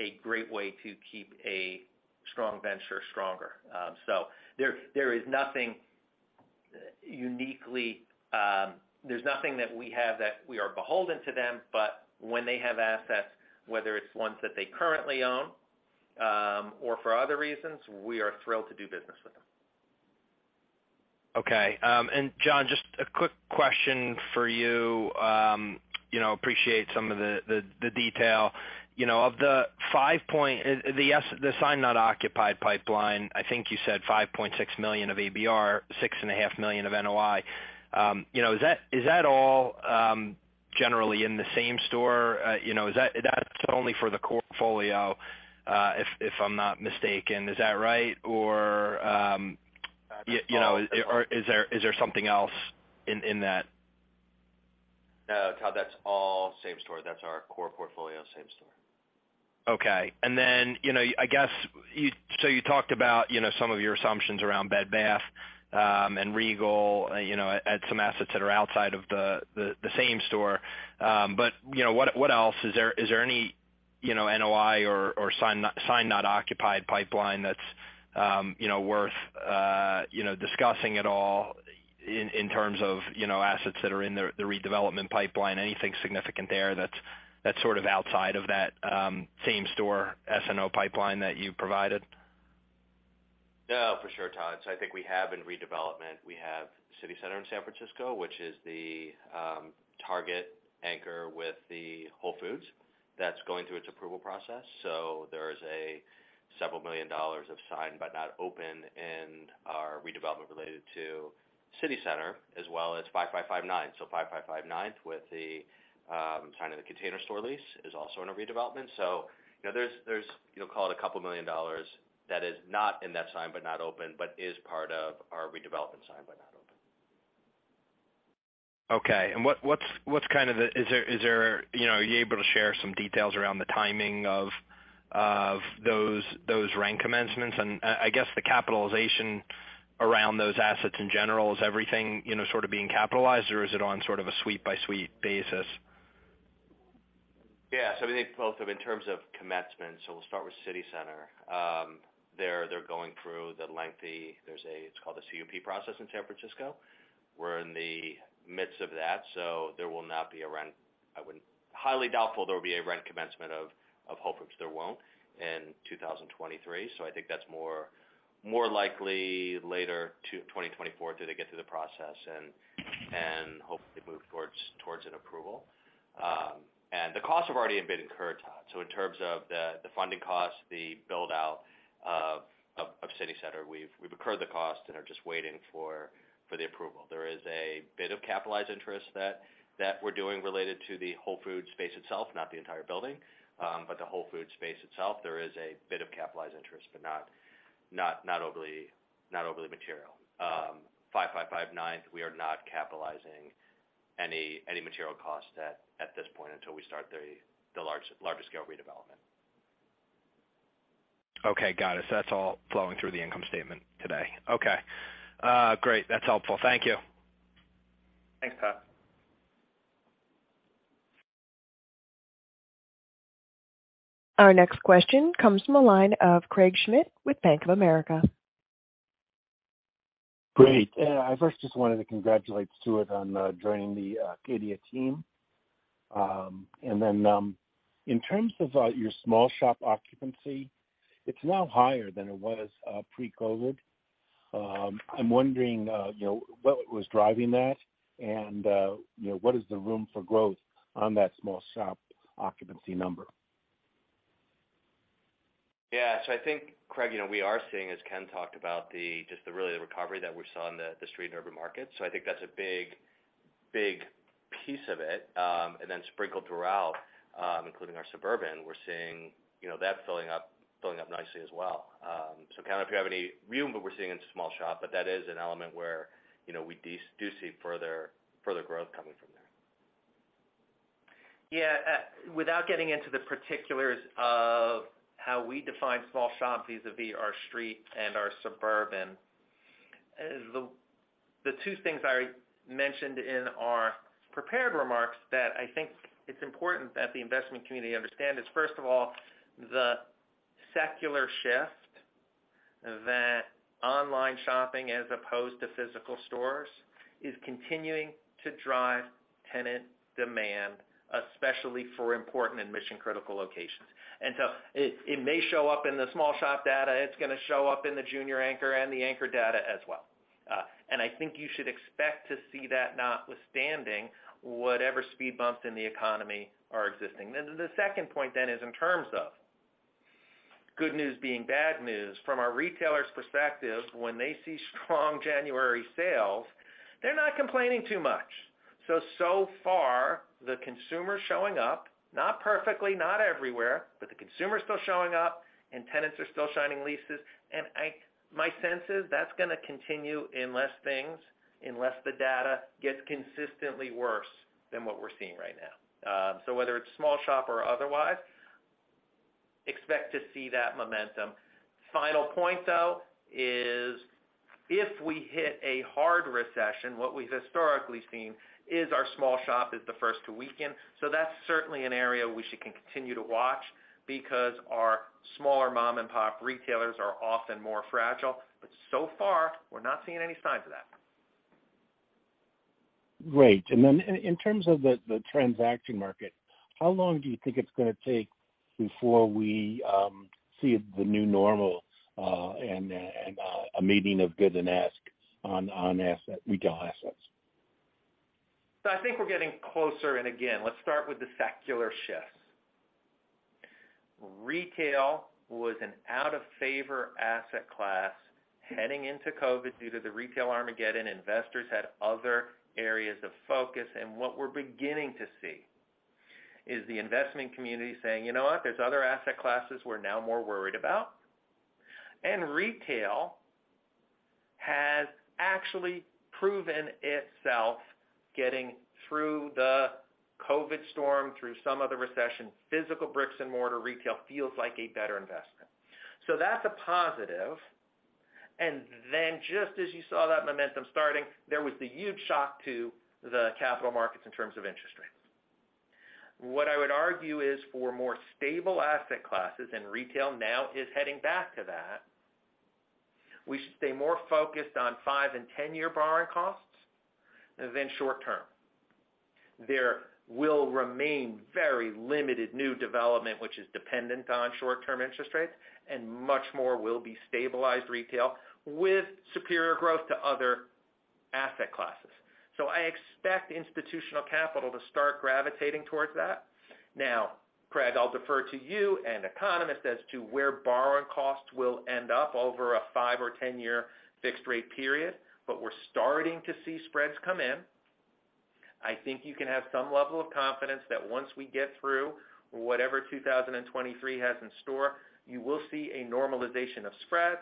a great way to keep a strong venture stronger. There, there is nothing that we have that we are beholden to them. When they have assets, whether it's ones that they currently own, or for other reasons, we are thrilled to do business with them. Okay. John, just a quick question for you. You know, appreciate some of the detail. You know, of the signed not occupied pipeline, I think you said $5.6 million of ABR, $6.5 million of NOI. You know, is that, is that all generally in the same store? You know, is that's only for the core portfolio, if I'm not mistaken. Is that right? Or, you know, or is there, is there something else in that? No, Todd, that's all same store. That's our core portfolio, same store. Okay. You know, I guess so you talked about, you know, some of your assumptions around Bed Bath, and Regal, you know, at some assets that are outside of the same store. You know, what else? Is there any, you know, NOI or signed not occupied pipeline that's, you know, worth discussing at all in terms of, you know, assets that are in the redevelopment pipeline? Anything significant there that's sort of outside of that, same store SNO pipeline that you provided? Yeah, for sure, Todd. I think we have in redevelopment, we have City Center in San Francisco, which is the target anchor with the Whole Foods Market that's going through its approval process. There is a $several million of signed but not open in our redevelopment related to City Center as well as 555 Ninth. 555 Ninth with the signing of The Container Store lease is also in a redevelopment. You know, there's, you know, call it a couple million dollars that is not in that signed but not open, but is part of our redevelopment signed but not open. Okay. What's kind of the is there, you know, are you able to share some details around the timing of those rent commencements? I guess the capitalization around those assets in general, is everything, you know, sort of being capitalized, or is it on sort of a suite-by-suite basis? I mean, both in terms of commencement, we'll start with City Center. They're going through the CUP process in San Francisco. We're in the midst of that, there will not be a rent. Highly doubtful there will be a rent commencement of Whole Foods. There won't in 2023. I think that's more likely later 2024 till they get through the process and hopefully move towards an approval. The costs have already been incurred, Todd. In terms of the funding costs, the buildout of City Center, we've incurred the cost and are just waiting for the approval. There is a bit of capitalized interest that we're doing related to the Whole Foods space itself, not the entire building. The Whole Foods space itself. There is a bit of capitalized interest, but not overly material. 555 Ninth, we are not capitalizing any material costs at this point until we start the larger scale redevelopment. Okay. Got it. That's all flowing through the income statement today. Okay. Great. That's helpful. Thank you. Thanks, Todd. Our next question comes from the line of Craig Schmidt with Bank of America. Great. I first just wanted to congratulate Stuart on joining the Acadia team. In terms of your small shop occupancy, it's now higher than it was pre-COVID. I'm wondering, you know, what was driving that and, you know, what is the room for growth on that small shop occupancy number? Yeah. I think, Craig, you know, we are seeing, as Ken talked about, just the really the recovery that we saw on the street and urban market. I think that's a big piece of it. And then sprinkled throughout, including our suburban, we're seeing, you know, that filling up nicely as well. Ken, if you have any view on what we're seeing in small shop, but that is an element where, you know, we do see further growth coming from there. Yeah. Without getting into the particulars of how we define small shop vis-à-vis our street and our suburban, the two things I mentioned in our prepared remarks that I think it's important that the investment community understand is, first of all, the secular shift that online shopping as opposed to physical stores is continuing to drive tenant demand, especially for important and mission-critical locations. It may show up in the small shop data. It's gonna show up in the junior anchor and the anchor data as well. I think you should expect to see that notwithstanding whatever speed bumps in the economy are existing. The second point then is in terms of good news being bad news. From our retailers' perspective, when they see strong January sales, they're not complaining too much. So far, the consumer showing up, not perfectly, not everywhere, but the consumer is still showing up, and tenants are still signing leases. My sense is that's gonna continue unless things, unless the data gets consistently worse than what we're seeing right now. So whether it's small shop or otherwise, expect to see that momentum. Final point, though, is if we hit a hard recession, what we've historically seen is our small shop is the first to weaken. That's certainly an area we should continue to watch because our smaller mom-and-pop retailers are often more fragile. So far, we're not seeing any signs of that. Great. In terms of the transaction market, how long do you think it's gonna take before we see the new normal, and a meeting of bid and ask on retail assets? I think we're getting closer. Again, let's start with the secular shifts. Retail was an out-of-favor asset class heading into COVID due to the retail Armageddon. Investors had other areas of focus. What we're beginning to see is the investment community saying, "You know what? There's other asset classes we're now more worried about." Retail has actually proven itself, getting through the COVID storm, through some other recession. Physical bricks and mortar retail feels like a better investment. That's a positive. Then just as you saw that momentum starting, there was the huge shock to the capital markets in terms of interest rates. What I would argue is for more stable asset classes, and retail now is heading back to that, we should stay more focused on 5 and 10-year borrowing costs than short term. There will remain very limited new development which is dependent on short-term interest rates, and much more will be stabilized retail with superior growth to other asset classes. I expect institutional capital to start gravitating towards that. Craig, I'll defer to you and economists as to where borrowing costs will end up over a 5 or 10-year fixed rate period. We're starting to see spreads come in. I think you can have some level of confidence that once we get through whatever 2023 has in store, you will see a normalization of spreads.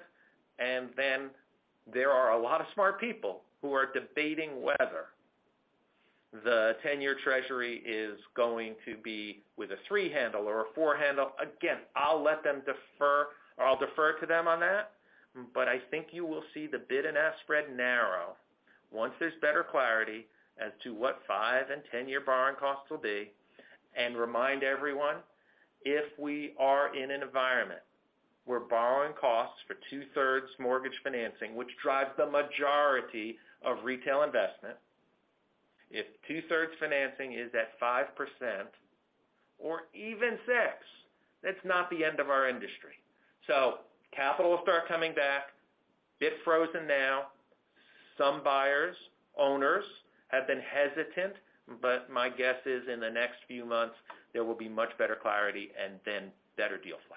Then there are a lot of smart people who are debating whether the 10-year Treasury is going to be with a 3 handle or a 4 handle. I'll let them defer or I'll defer to them on that, but I think you will see the bid and ask spread narrow once there's better clarity as to what 5 and 10-year borrowing costs will be. Remind everyone, if we are in an environment where borrowing costs for two-thirds mortgage financing, which drives the majority of retail investment, if two-thirds financing is at 5% or even 6%, that's not the end of our industry. Capital will start coming back. Bit frozen now. Some buyers, owners have been hesitant, but my guess is in the next few months, there will be much better clarity and then better deal flow.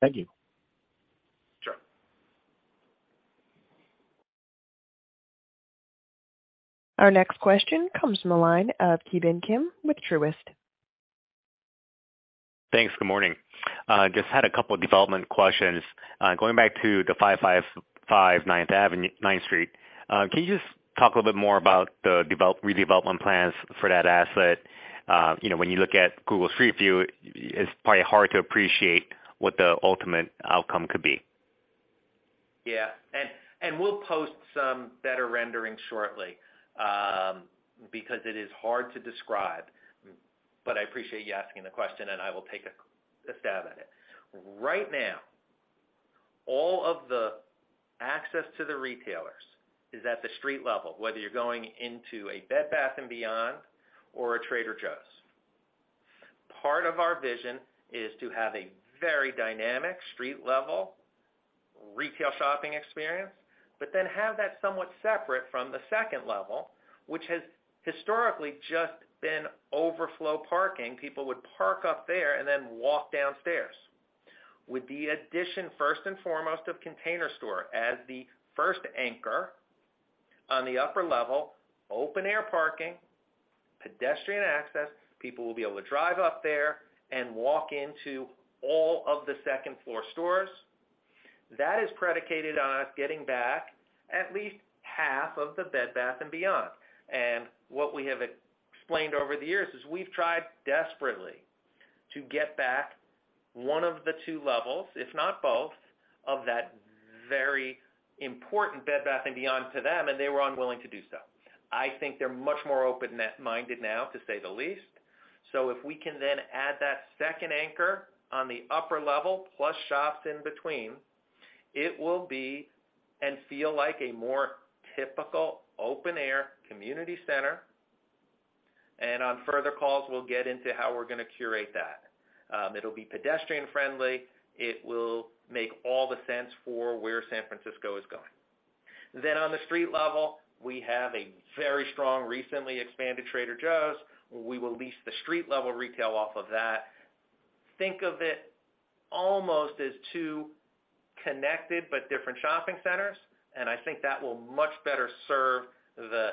Thank you. Sure. Our next question comes from the line of Ki Bin Kim with Truist. Thanks. Good morning. Just had a couple of development questions. Going back to the 555 Ninth Street. Can you just talk a little bit more about the redevelopment plans for that asset? You know, when you look at Google Street View, it's probably hard to appreciate what the ultimate outcome could be. Yeah. We'll post some better rendering shortly, because it is hard to describe. I appreciate you asking the question, and I will take a stab at it. Right now, all of the access to the retailers is at the street level, whether you're going into a Bed Bath & Beyond or a Trader Joe's. Part of our vision is to have a very dynamic street level retail shopping experience, but then have that somewhat separate from the second level, which has historically just been overflow parking. People would park up there and then walk downstairs. With the addition, first and foremost, of Container Store as the first anchor on the upper level, open air parking, pedestrian access, people will be able to drive up there and walk into all of the second-floor stores. That is predicated on us getting back at least half of the Bed Bath & Beyond. What we have explained over the years is we've tried desperately to get back one of the two levels, if not both, of that very important Bed Bath & Beyond to them, and they were unwilling to do so. I think they're much more open-minded now, to say the least. If we can then add that second anchor on the upper level plus shops in between, it will be and feel like a more typical open air community center. On further calls, we'll get into how we're gonna curate that. It'll be pedestrian friendly. It will make all the sense for where San Francisco is going. On the street level, we have a very strong, recently expanded Trader Joe's. We will lease the street level retail off of that. Think of it almost as two connected but different shopping centers, I think that will much better serve the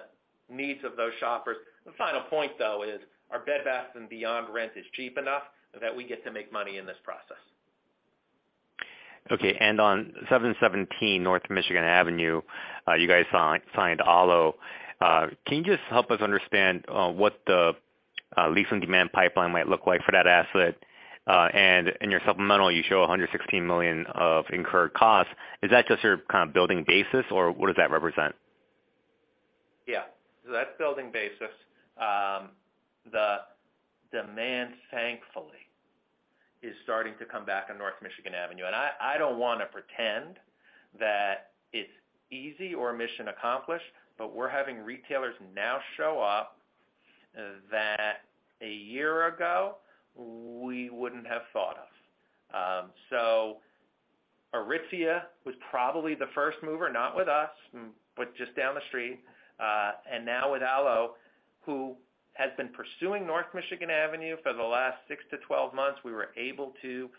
needs of those shoppers. The final point, though, is our Bed Bath & Beyond rent is cheap enough that we get to make money in this process. Okay. On 717 North Michigan Avenue, you guys signed Alo. Can you just help us understand what the lease and demand pipeline might look like for that asset? In your supplemental you show $116 million of incurred costs. Is that just your kind of building basis, or what does that represent? Yeah. That's building basis. The demand, thankfully, is starting to come back on North Michigan Avenue. I don't wanna pretend that it's easy or mission accomplished, but we're having retailers now show up that a year ago we wouldn't have thought of. Aritzia was probably the first mover, not with us, but just down the street. Now with Alo, who has been pursuing North Michigan Avenue for the last 6-12 months, we were able to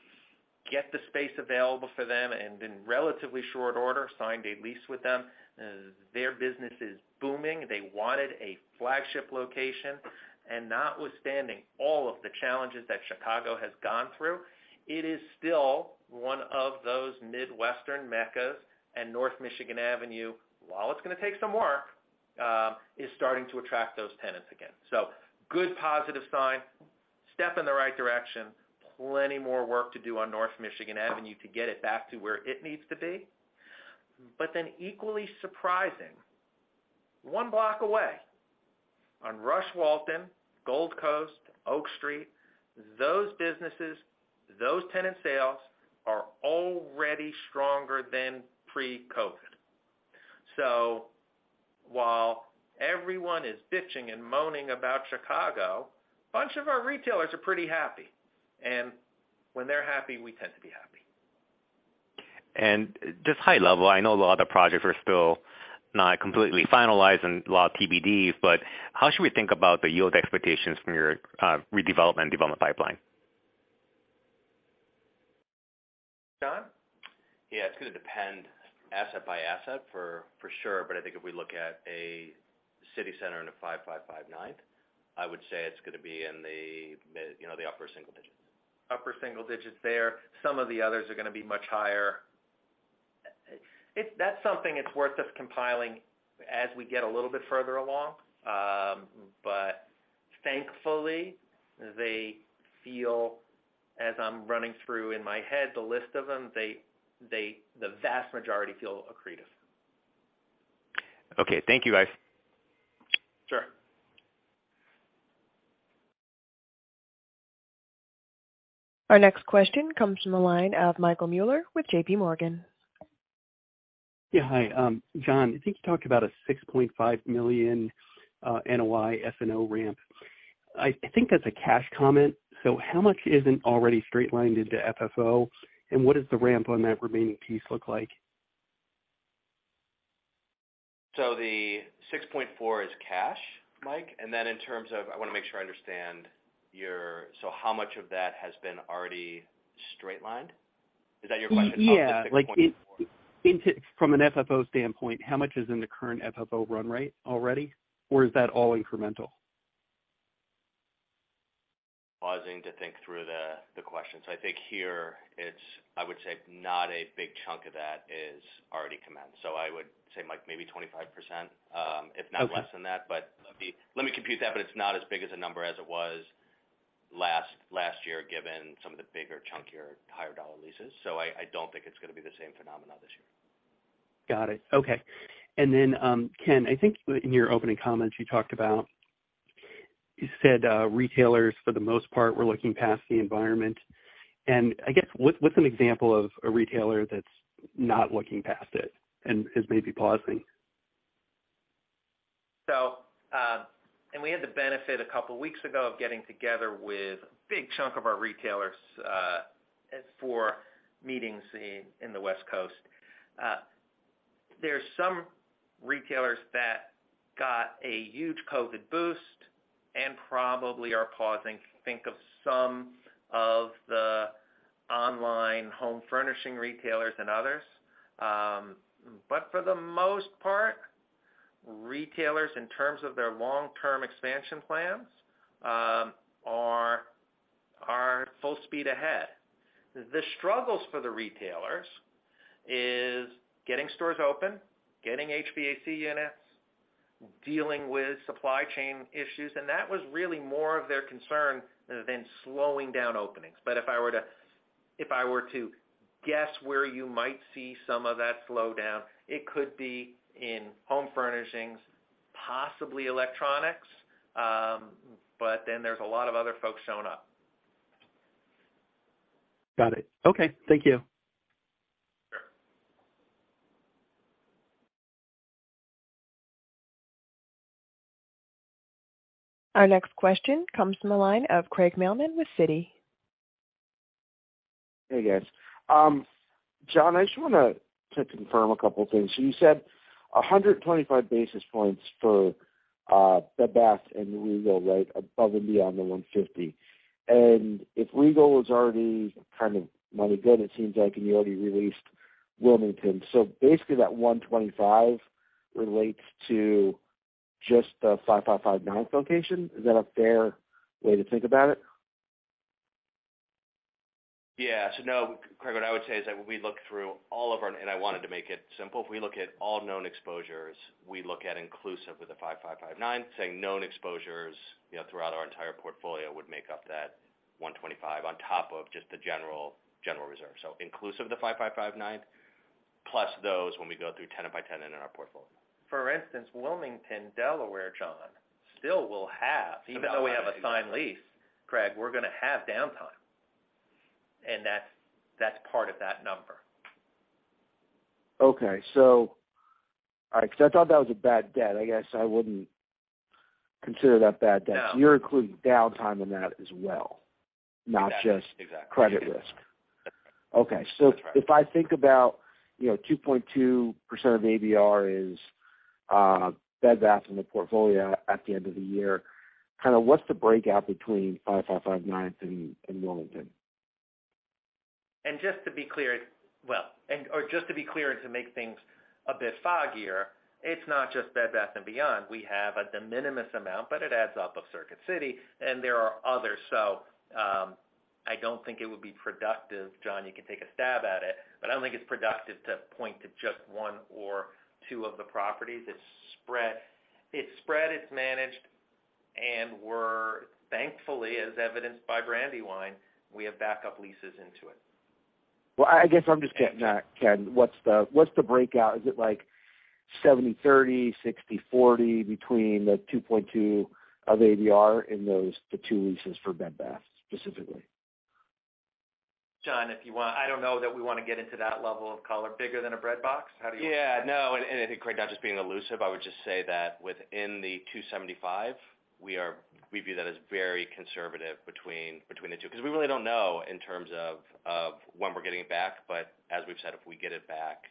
get the space available for them, and in relatively short order, signed a lease with them. Their business is booming. They wanted a flagship location. Notwithstanding all of the challenges that Chicago has gone through, it is still one of those Midwestern meccas. North Michigan Avenue, while it's gonna take some work, is starting to attract those tenants again. Good positive sign, step in the right direction. Plenty more work to do on North Michigan Avenue to get it back to where it needs to be. Equally surprising, one block away on Rush Walton, Gold Coast, Oak Street, those businesses, those tenant sales are already stronger than pre-COVID. While everyone is bitching and moaning about Chicago, bunch of our retailers are pretty happy. When they're happy, we tend to be happy. Just high level, I know a lot of projects are still not completely finalized and a lot of TBD, but how should we think about the yield expectations from your redevelopment development pipeline? John? Yeah. It's gonna depend asset by asset for sure. I think if we look at a city center in a 555 Ninth, I would say it's gonna be in the, you know, upper single digits. Upper single digits there. Some of the others are gonna be much higher. That's something it's worth us compiling as we get a little bit further along. Thankfully, they feel as I'm running through in my head the list of them, the vast majority feel accretive. Okay. Thank you, guys. Sure. Our next question comes from the line of Michael Mueller with J.P. Morgan. Yeah. Hi. John, I think you talked about a $6.5 million NOI SNO ramp. I think that's a cash comment. How much isn't already straight lined into FFO, and what does the ramp on that remaining piece look like? The $6.4 is cash, Mike. How much of that has been already straight-lined? Is that your question? Y-yeah. How much of 6.4- Like, from an FFO standpoint, how much is in the current FFO run rate already, or is that all incremental? Pausing to think through the question. I think here I would say not a big chunk of that is already commenced. I would say, Mike, maybe 25%, if not less than that. Okay. Let me compute that. It's not as big as a number as it was last year given some of the bigger, chunkier, higher dollar leases. I don't think it's gonna be the same phenomena this year. Got it. Okay. Ken, I think in your opening comments you said retailers for the most part were looking past the environment. I guess what's an example of a retailer that's not looking past it and is maybe pausing? We had the benefit a couple weeks ago of getting together with a big chunk of our retailers for meetings in the West Coast. There's some retailers that got a huge COVID boost and probably are pausing. Think of some of the online home furnishing retailers and others. For the most part, retailers in terms of their long-term expansion plans, are full speed ahead. The struggles for the retailers is getting stores open, getting HVAC units, dealing with supply chain issues, and that was really more of their concern than slowing down openings. If I were to guess where you might see some of that slow down, it could be in home furnishings, possibly electronics, there's a lot of other folks showing up. Got it. Okay. Thank you. Sure. Our next question comes from the line of Craig Mailman with Citi. Hey, guys. John, I just wanna to confirm a couple things. You said 125 basis points. The Bath and the Regal, right above and beyond the $150. If Regal was already kind of money good, it seems like, and you already released Wilmington. Basically that $125 relates to just the 555 Ninth location. Is that a fair way to think about it? Yeah. No, Craig, what I would say is that we look through all of our... I wanted to make it simple. If we look at all known exposures, we look at inclusive of the 555 Ninth, saying known exposures, you know, throughout our entire portfolio would make up that $125 on top of just the general reserve. Inclusive of the 555 Ninth, plus those when we go through tenant by tenant in our portfolio. For instance, Wilmington, Delaware, John, still will. Even though we have a signed lease, Craig, we're gonna have downtime, and that's part of that number. Okay. All right. 'Cause I thought that was a bad debt. I guess I wouldn't consider that bad debt. No. You're including downtime in that as well- Yeah. Exactly. not just credit risk. That's right. Okay. If I think about, you know, 2.2% of ABR is Bed Bath in the portfolio at the end of the year, kind of what's the breakout between 555 Ninth and Wilmington? Just to be clear and to make things a bit foggier, it's not just Bed Bath & Beyond. We have a de minimis amount, but it adds up, of Circuit City, and there are others. I don't think it would be productive. John, you can take a stab at it, but I don't think it's productive to point to just one or two of the properties. It's spread. It's managed, and we're thankfully, as evidenced by Brandywine, we have backup leases into it. Well, I guess I'm just getting at, Ken, what's the, what's the breakout? Is it like 70/30, 60/40 between the 2.2 of ABR the two leases for Bed Bath specifically? John, if you want... I don't know that we wanna get into that level of color. Bigger than a breadbox. Yeah. No. Craig, not just being elusive, I would just say that within the $275, we view that as very conservative between the two, because we really don't know in terms of when we're getting it back. As we've said, if we get it back,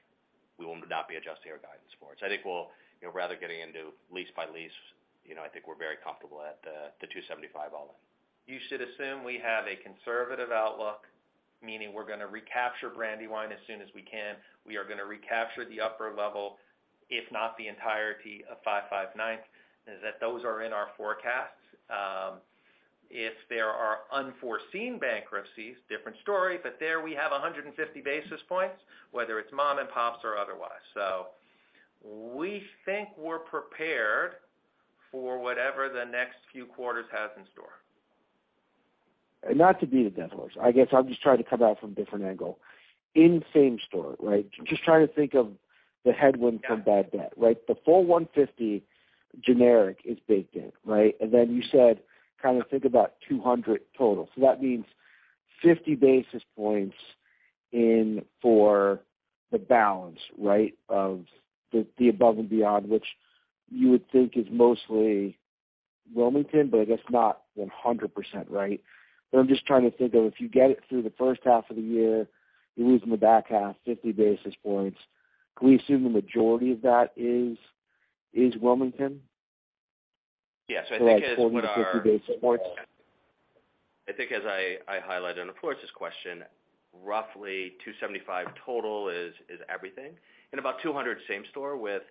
we will not be adjusting our guidance for it. I think we'll, you know, rather getting into lease by lease, you know, I think we're very comfortable at the $275 all in. You should assume we have a conservative outlook, meaning we're gonna recapture Brandywine as soon as we can. We are gonna recapture the upper level, if not the entirety of 555 Ninth, is that those are in our forecasts. If there are unforeseen bankruptcies, different story, but there we have 150 basis points, whether it's mom and pops or otherwise. We think we're prepared for whatever the next few quarters has in store. Not to beat a dead horse, I guess I'm just trying to come at it from a different angle. In same store, right? Just trying to think of the headwind for bad debt, right? The full 150 generic is baked in, right? Then you said kind of think about 200 total. That means 50 basis points in for the balance, right, of the above and beyond, which you would think is mostly Wilmington, but I guess not 100%, right? I'm just trying to think of if you get it through the first half of the year, you're losing the back half 50 basis points. Can we assume the majority of that is Wilmington? Yes. I think as what our- 40-50 basis points. I think as I highlighted on Florence's question, roughly $275 total is everything. About $200 same store with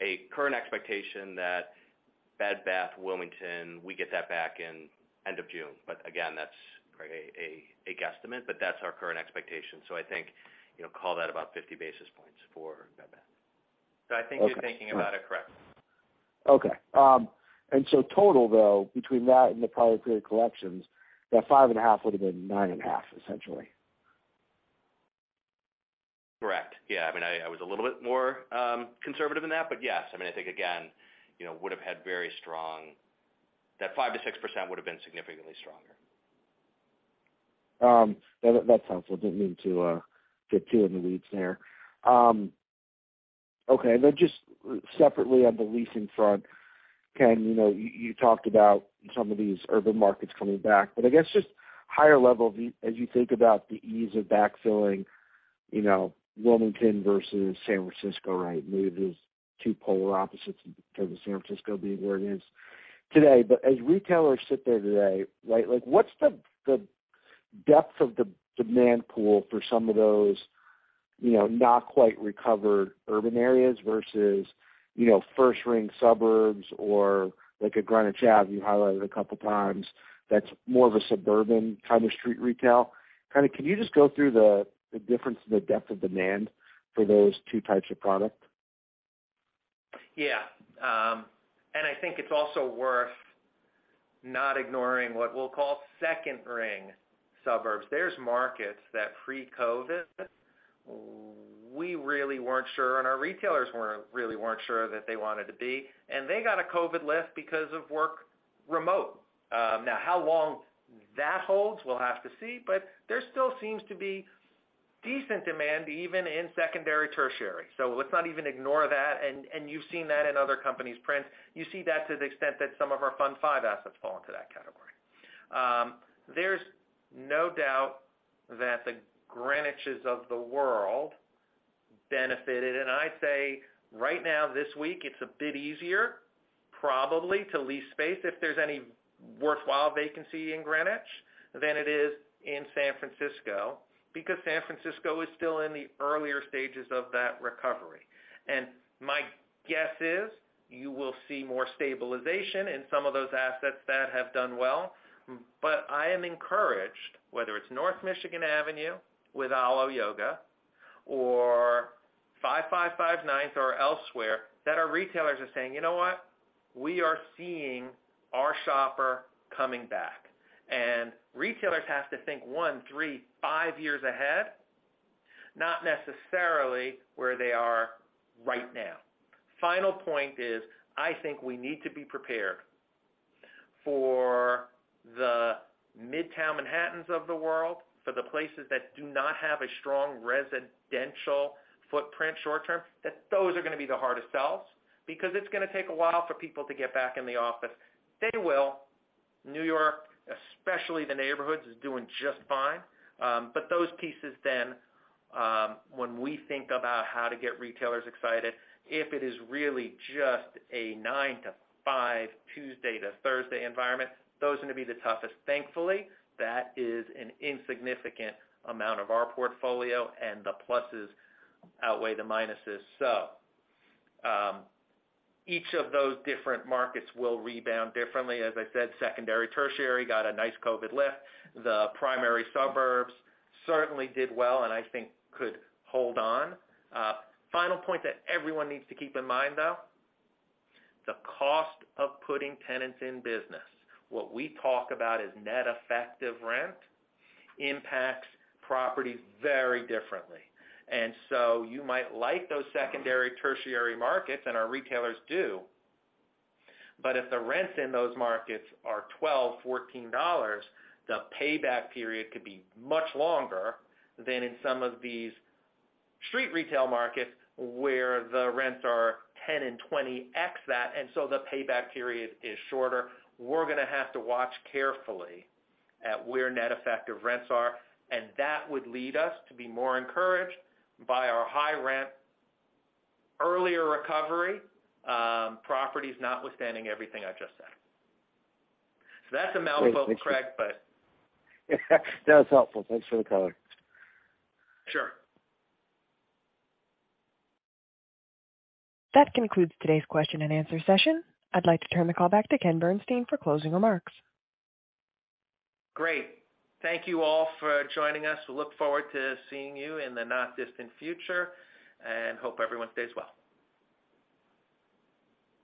a current expectation that Bed Bath Wilmington, we get that back in end of June. Again, that's a guesstimate, but that's our current expectation. I think, you know, call that about 50 basis points for Bed Bath. Okay. I think you're thinking about it correct. Okay. Total though, between that and the prior period collections, that five and a half would have been nine and a half, essentially. Correct. Yeah. I mean, I was a little bit more conservative in that. Yes, I mean, I think again, you know, would have had very strong... That 5%-6% would have been significantly stronger. That's helpful. Didn't mean to get too in the weeds there. Okay. Just separately on the leasing front, Ken, you know, you talked about some of these urban markets coming back, I guess just higher level as you think about the ease of backfilling, you know, Wilmington versus San Francisco, right? Maybe these two polar opposites in terms of San Francisco being where it is today. As retailers sit there today, right, like, what's the depth of the demand pool for some of those, you know, not quite recovered urban areas versus, you know, first ring suburbs or like a Greenwich Ave, you highlighted a couple of times, that's more of a suburban kind of street retail. Can you just go through the difference in the depth of demand for those two types of product? Yeah. I think it's also worth not ignoring what we'll call second ring suburbs. There's markets that pre-COVID, we really weren't sure and our retailers really weren't sure that they wanted to be, and they got a COVID lift because of work remote. Now how long that holds, we'll have to see, but there still seems to be decent demand even in secondary, tertiary. Let's not even ignore that. You've seen that in other companies' prints. You see that to the extent that some of our Fund V assets fall into that category. There's no doubt that the Greenwich"s of the world benefited. I'd say right now, this week, it's a bit easier probably to lease space if there's any worthwhile vacancy in Greenwich than it is in San Francisco, because San Francisco is still in the earlier stages of that recovery. My guess is you will see more stabilization in some of those assets that have done well. I am encouraged, whether it's North Michigan Avenue with Alo Yoga or 555 Ninth or elsewhere, that our retailers are saying, "You know what? We are seeing our shopper coming back." Retailers have to think one, three, five years ahead, not necessarily where they are right now. Final point is, I think we need to be prepared for the Midtown Manhattans of the world, for the places that do not have a strong residential footprint short term, that those are gonna be the hardest sells because it's gonna take a while for people to get back in the office. They will. New York, especially the neighborhoods, is doing just fine. Those pieces then, when we think about how to get retailers excited, if it is really just a 9 to 5, Tuesday to Thursday environment, those are gonna be the toughest. Thankfully, that is an insignificant amount of our portfolio, and the pluses outweigh the minuses. Each of those different markets will rebound differently. As I said, secondary, tertiary got a nice COVID lift. The primary suburbs certainly did well and I think could hold on. Final point that everyone needs to keep in mind, though, the cost of putting tenants in business. What we talk about is net effective rent impacts property very differently. You might like those secondary, tertiary markets, and our retailers do, but if the rents in those markets are $12, $14, the payback period could be much longer than in some of these street retail markets where the rents are 10 and 20x out. The payback period is shorter. We're gonna have to watch carefully at where net effective rents are, and that would lead us to be more encouraged by our high rent, earlier recovery, properties notwithstanding everything I just said. That's a mouthful, Craig, but. That was helpful. Thanks for the color. Sure. That concludes today's question and answer session. I'd like to turn the call back to Ken Bernstein for closing remarks. Great. Thank you all for joining us. We look forward to seeing you in the not distant future and hope everyone stays well.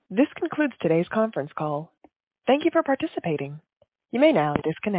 This concludes today's conference call. Thank Thank you for participating. You may now disconnect.